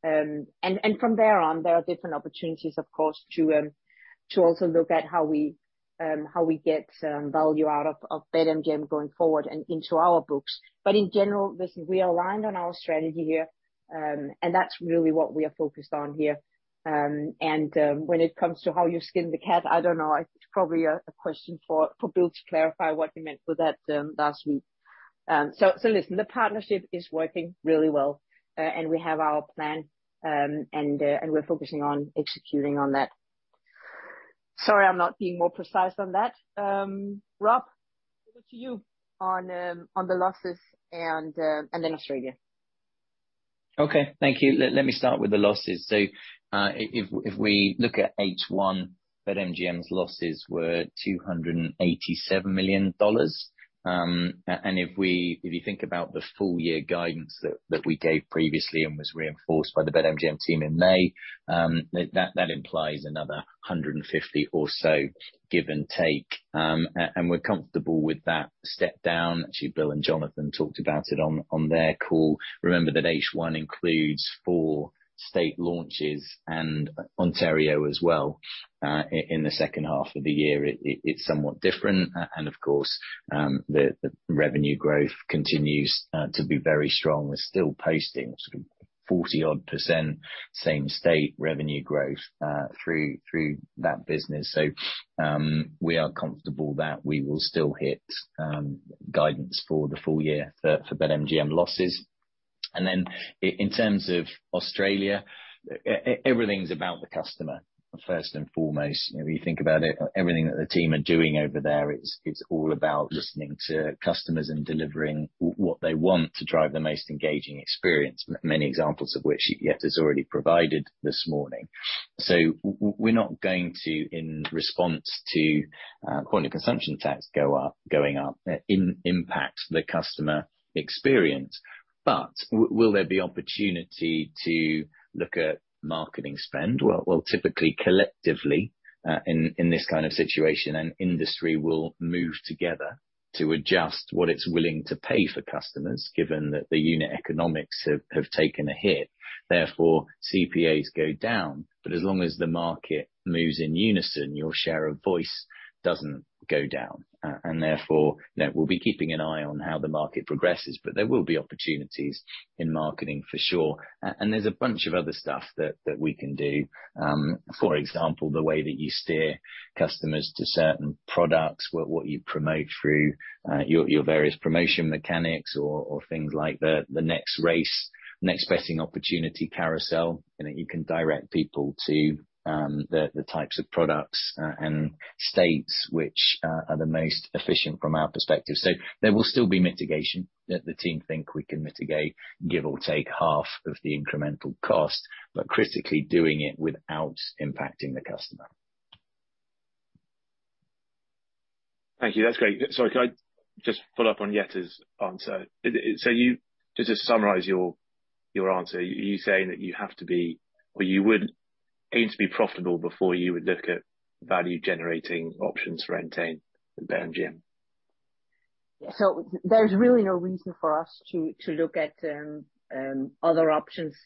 From there on, there are different opportunities of course to also look at how we get value out of BetMGM going forward and into our books. But in general, listen, we are aligned on our strategy here, and that's really what we are focused on here. When it comes to how you skin the cat, I don't know. It's probably a question for Bill to clarify what he meant with that last week. Listen, the partnership is working really well. We have our plan, and we're focusing on executing on that. Sorry I'm not being more precise on that. Rob, over to you on the losses and then Australia. Okay. Thank you. Let me start with the losses. So, if we look at H1, BetMGM's losses were $287 million. And if you think about the full year guidance that we gave previously and was reinforced by the BetMGM team in May, that implies another 150 or so, give and take. And we're comfortable with that step down. Actually, Bill and Jonathan talked about it on their call. Remember that H1 includes four state launches and Ontario as well, in the second half of the year. It's somewhat different and of course, the revenue growth continues to be very strong. We're still posting sort of 40-odd% same state revenue growth through that business. We are comfortable that we will still hit guidance for the full year for BetMGM losses. Then in terms of Australia, everything's about the customer first and foremost. You know, you think about it, everything that the team are doing over there is all about listening to customers and delivering what they want to drive the most engaging experience. Many examples of which Jette has already provided this morning. We're not going to, in response to quarterly consumption tax going up, impact the customer experience. Will there be opportunity to look at marketing spend? Well typically, collectively, in this kind of situation, an industry will move together to adjust what it's willing to pay for customers, given that the unit economics have taken a hit, therefore CPAs go down. As long as the market moves in unison, your share of voice doesn't go down. Therefore, you know, we'll be keeping an eye on how the market progresses, but there will be opportunities in marketing for sure. There's a bunch of other stuff that we can do. For example, the way that you steer customers to certain products, what you promote through your various promotion mechanics or things like the next race, next betting opportunity carousel. You know, you can direct people to the types of products and states which are the most efficient from our perspective. There will still be mitigation that the team think we can mitigate, give or take half of the incremental cost, but critically doing it without impacting the customer. Thank you. That's great. Sorry, could I just follow up on Jette's answer? You, just to summarize your answer, you saying that you have to be or you would aim to be profitable before you would look at value-generating options for Entain and BetMGM? There's really no reason for us to look at other options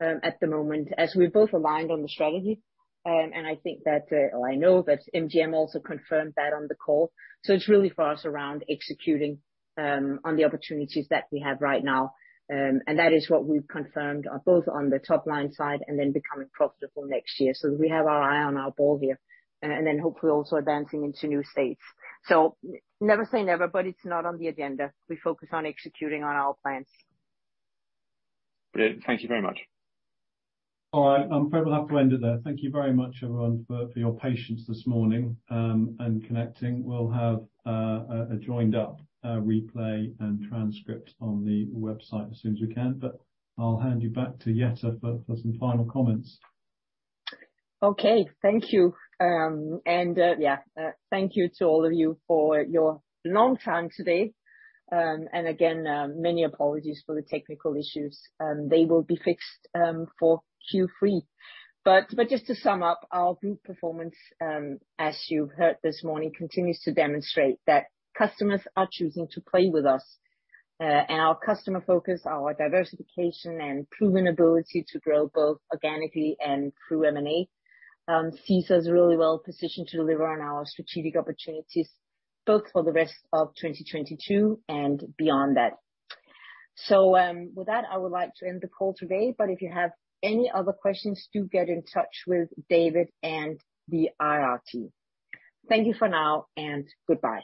at the moment, as we're both aligned on the strategy. I think that I know that MGM also confirmed that on the call. It's really for us around executing on the opportunities that we have right now. That is what we've confirmed both on the top-line side and then becoming profitable next year. We have our eye on the ball here, and then hopefully also advancing into new states. Never say never, but it's not on the agenda. We focus on executing on our plans. Brilliant. Thank you very much. All right. I'm afraid we'll have to end it there. Thank you very much everyone for your patience this morning and connecting. We'll have a joined up replay and transcript on the website as soon as we can, but I'll hand you back to Jette for some final comments. Okay. Thank you. Yeah, thank you to all of you for your patience today. Many apologies for the technical issues. They will be fixed for Q3. But just to sum up, our group performance, as you've heard this morning, continues to demonstrate that customers are choosing to play with us. Our customer focus, our diversification and proven ability to grow both organically and through M&A, sees us really well positioned to deliver on our strategic opportunities both for the rest of 2022 and beyond that. With that, I would like to end the call today, but if you have any other questions, do get in touch with David and the IR team. Thank you for now, and goodbye.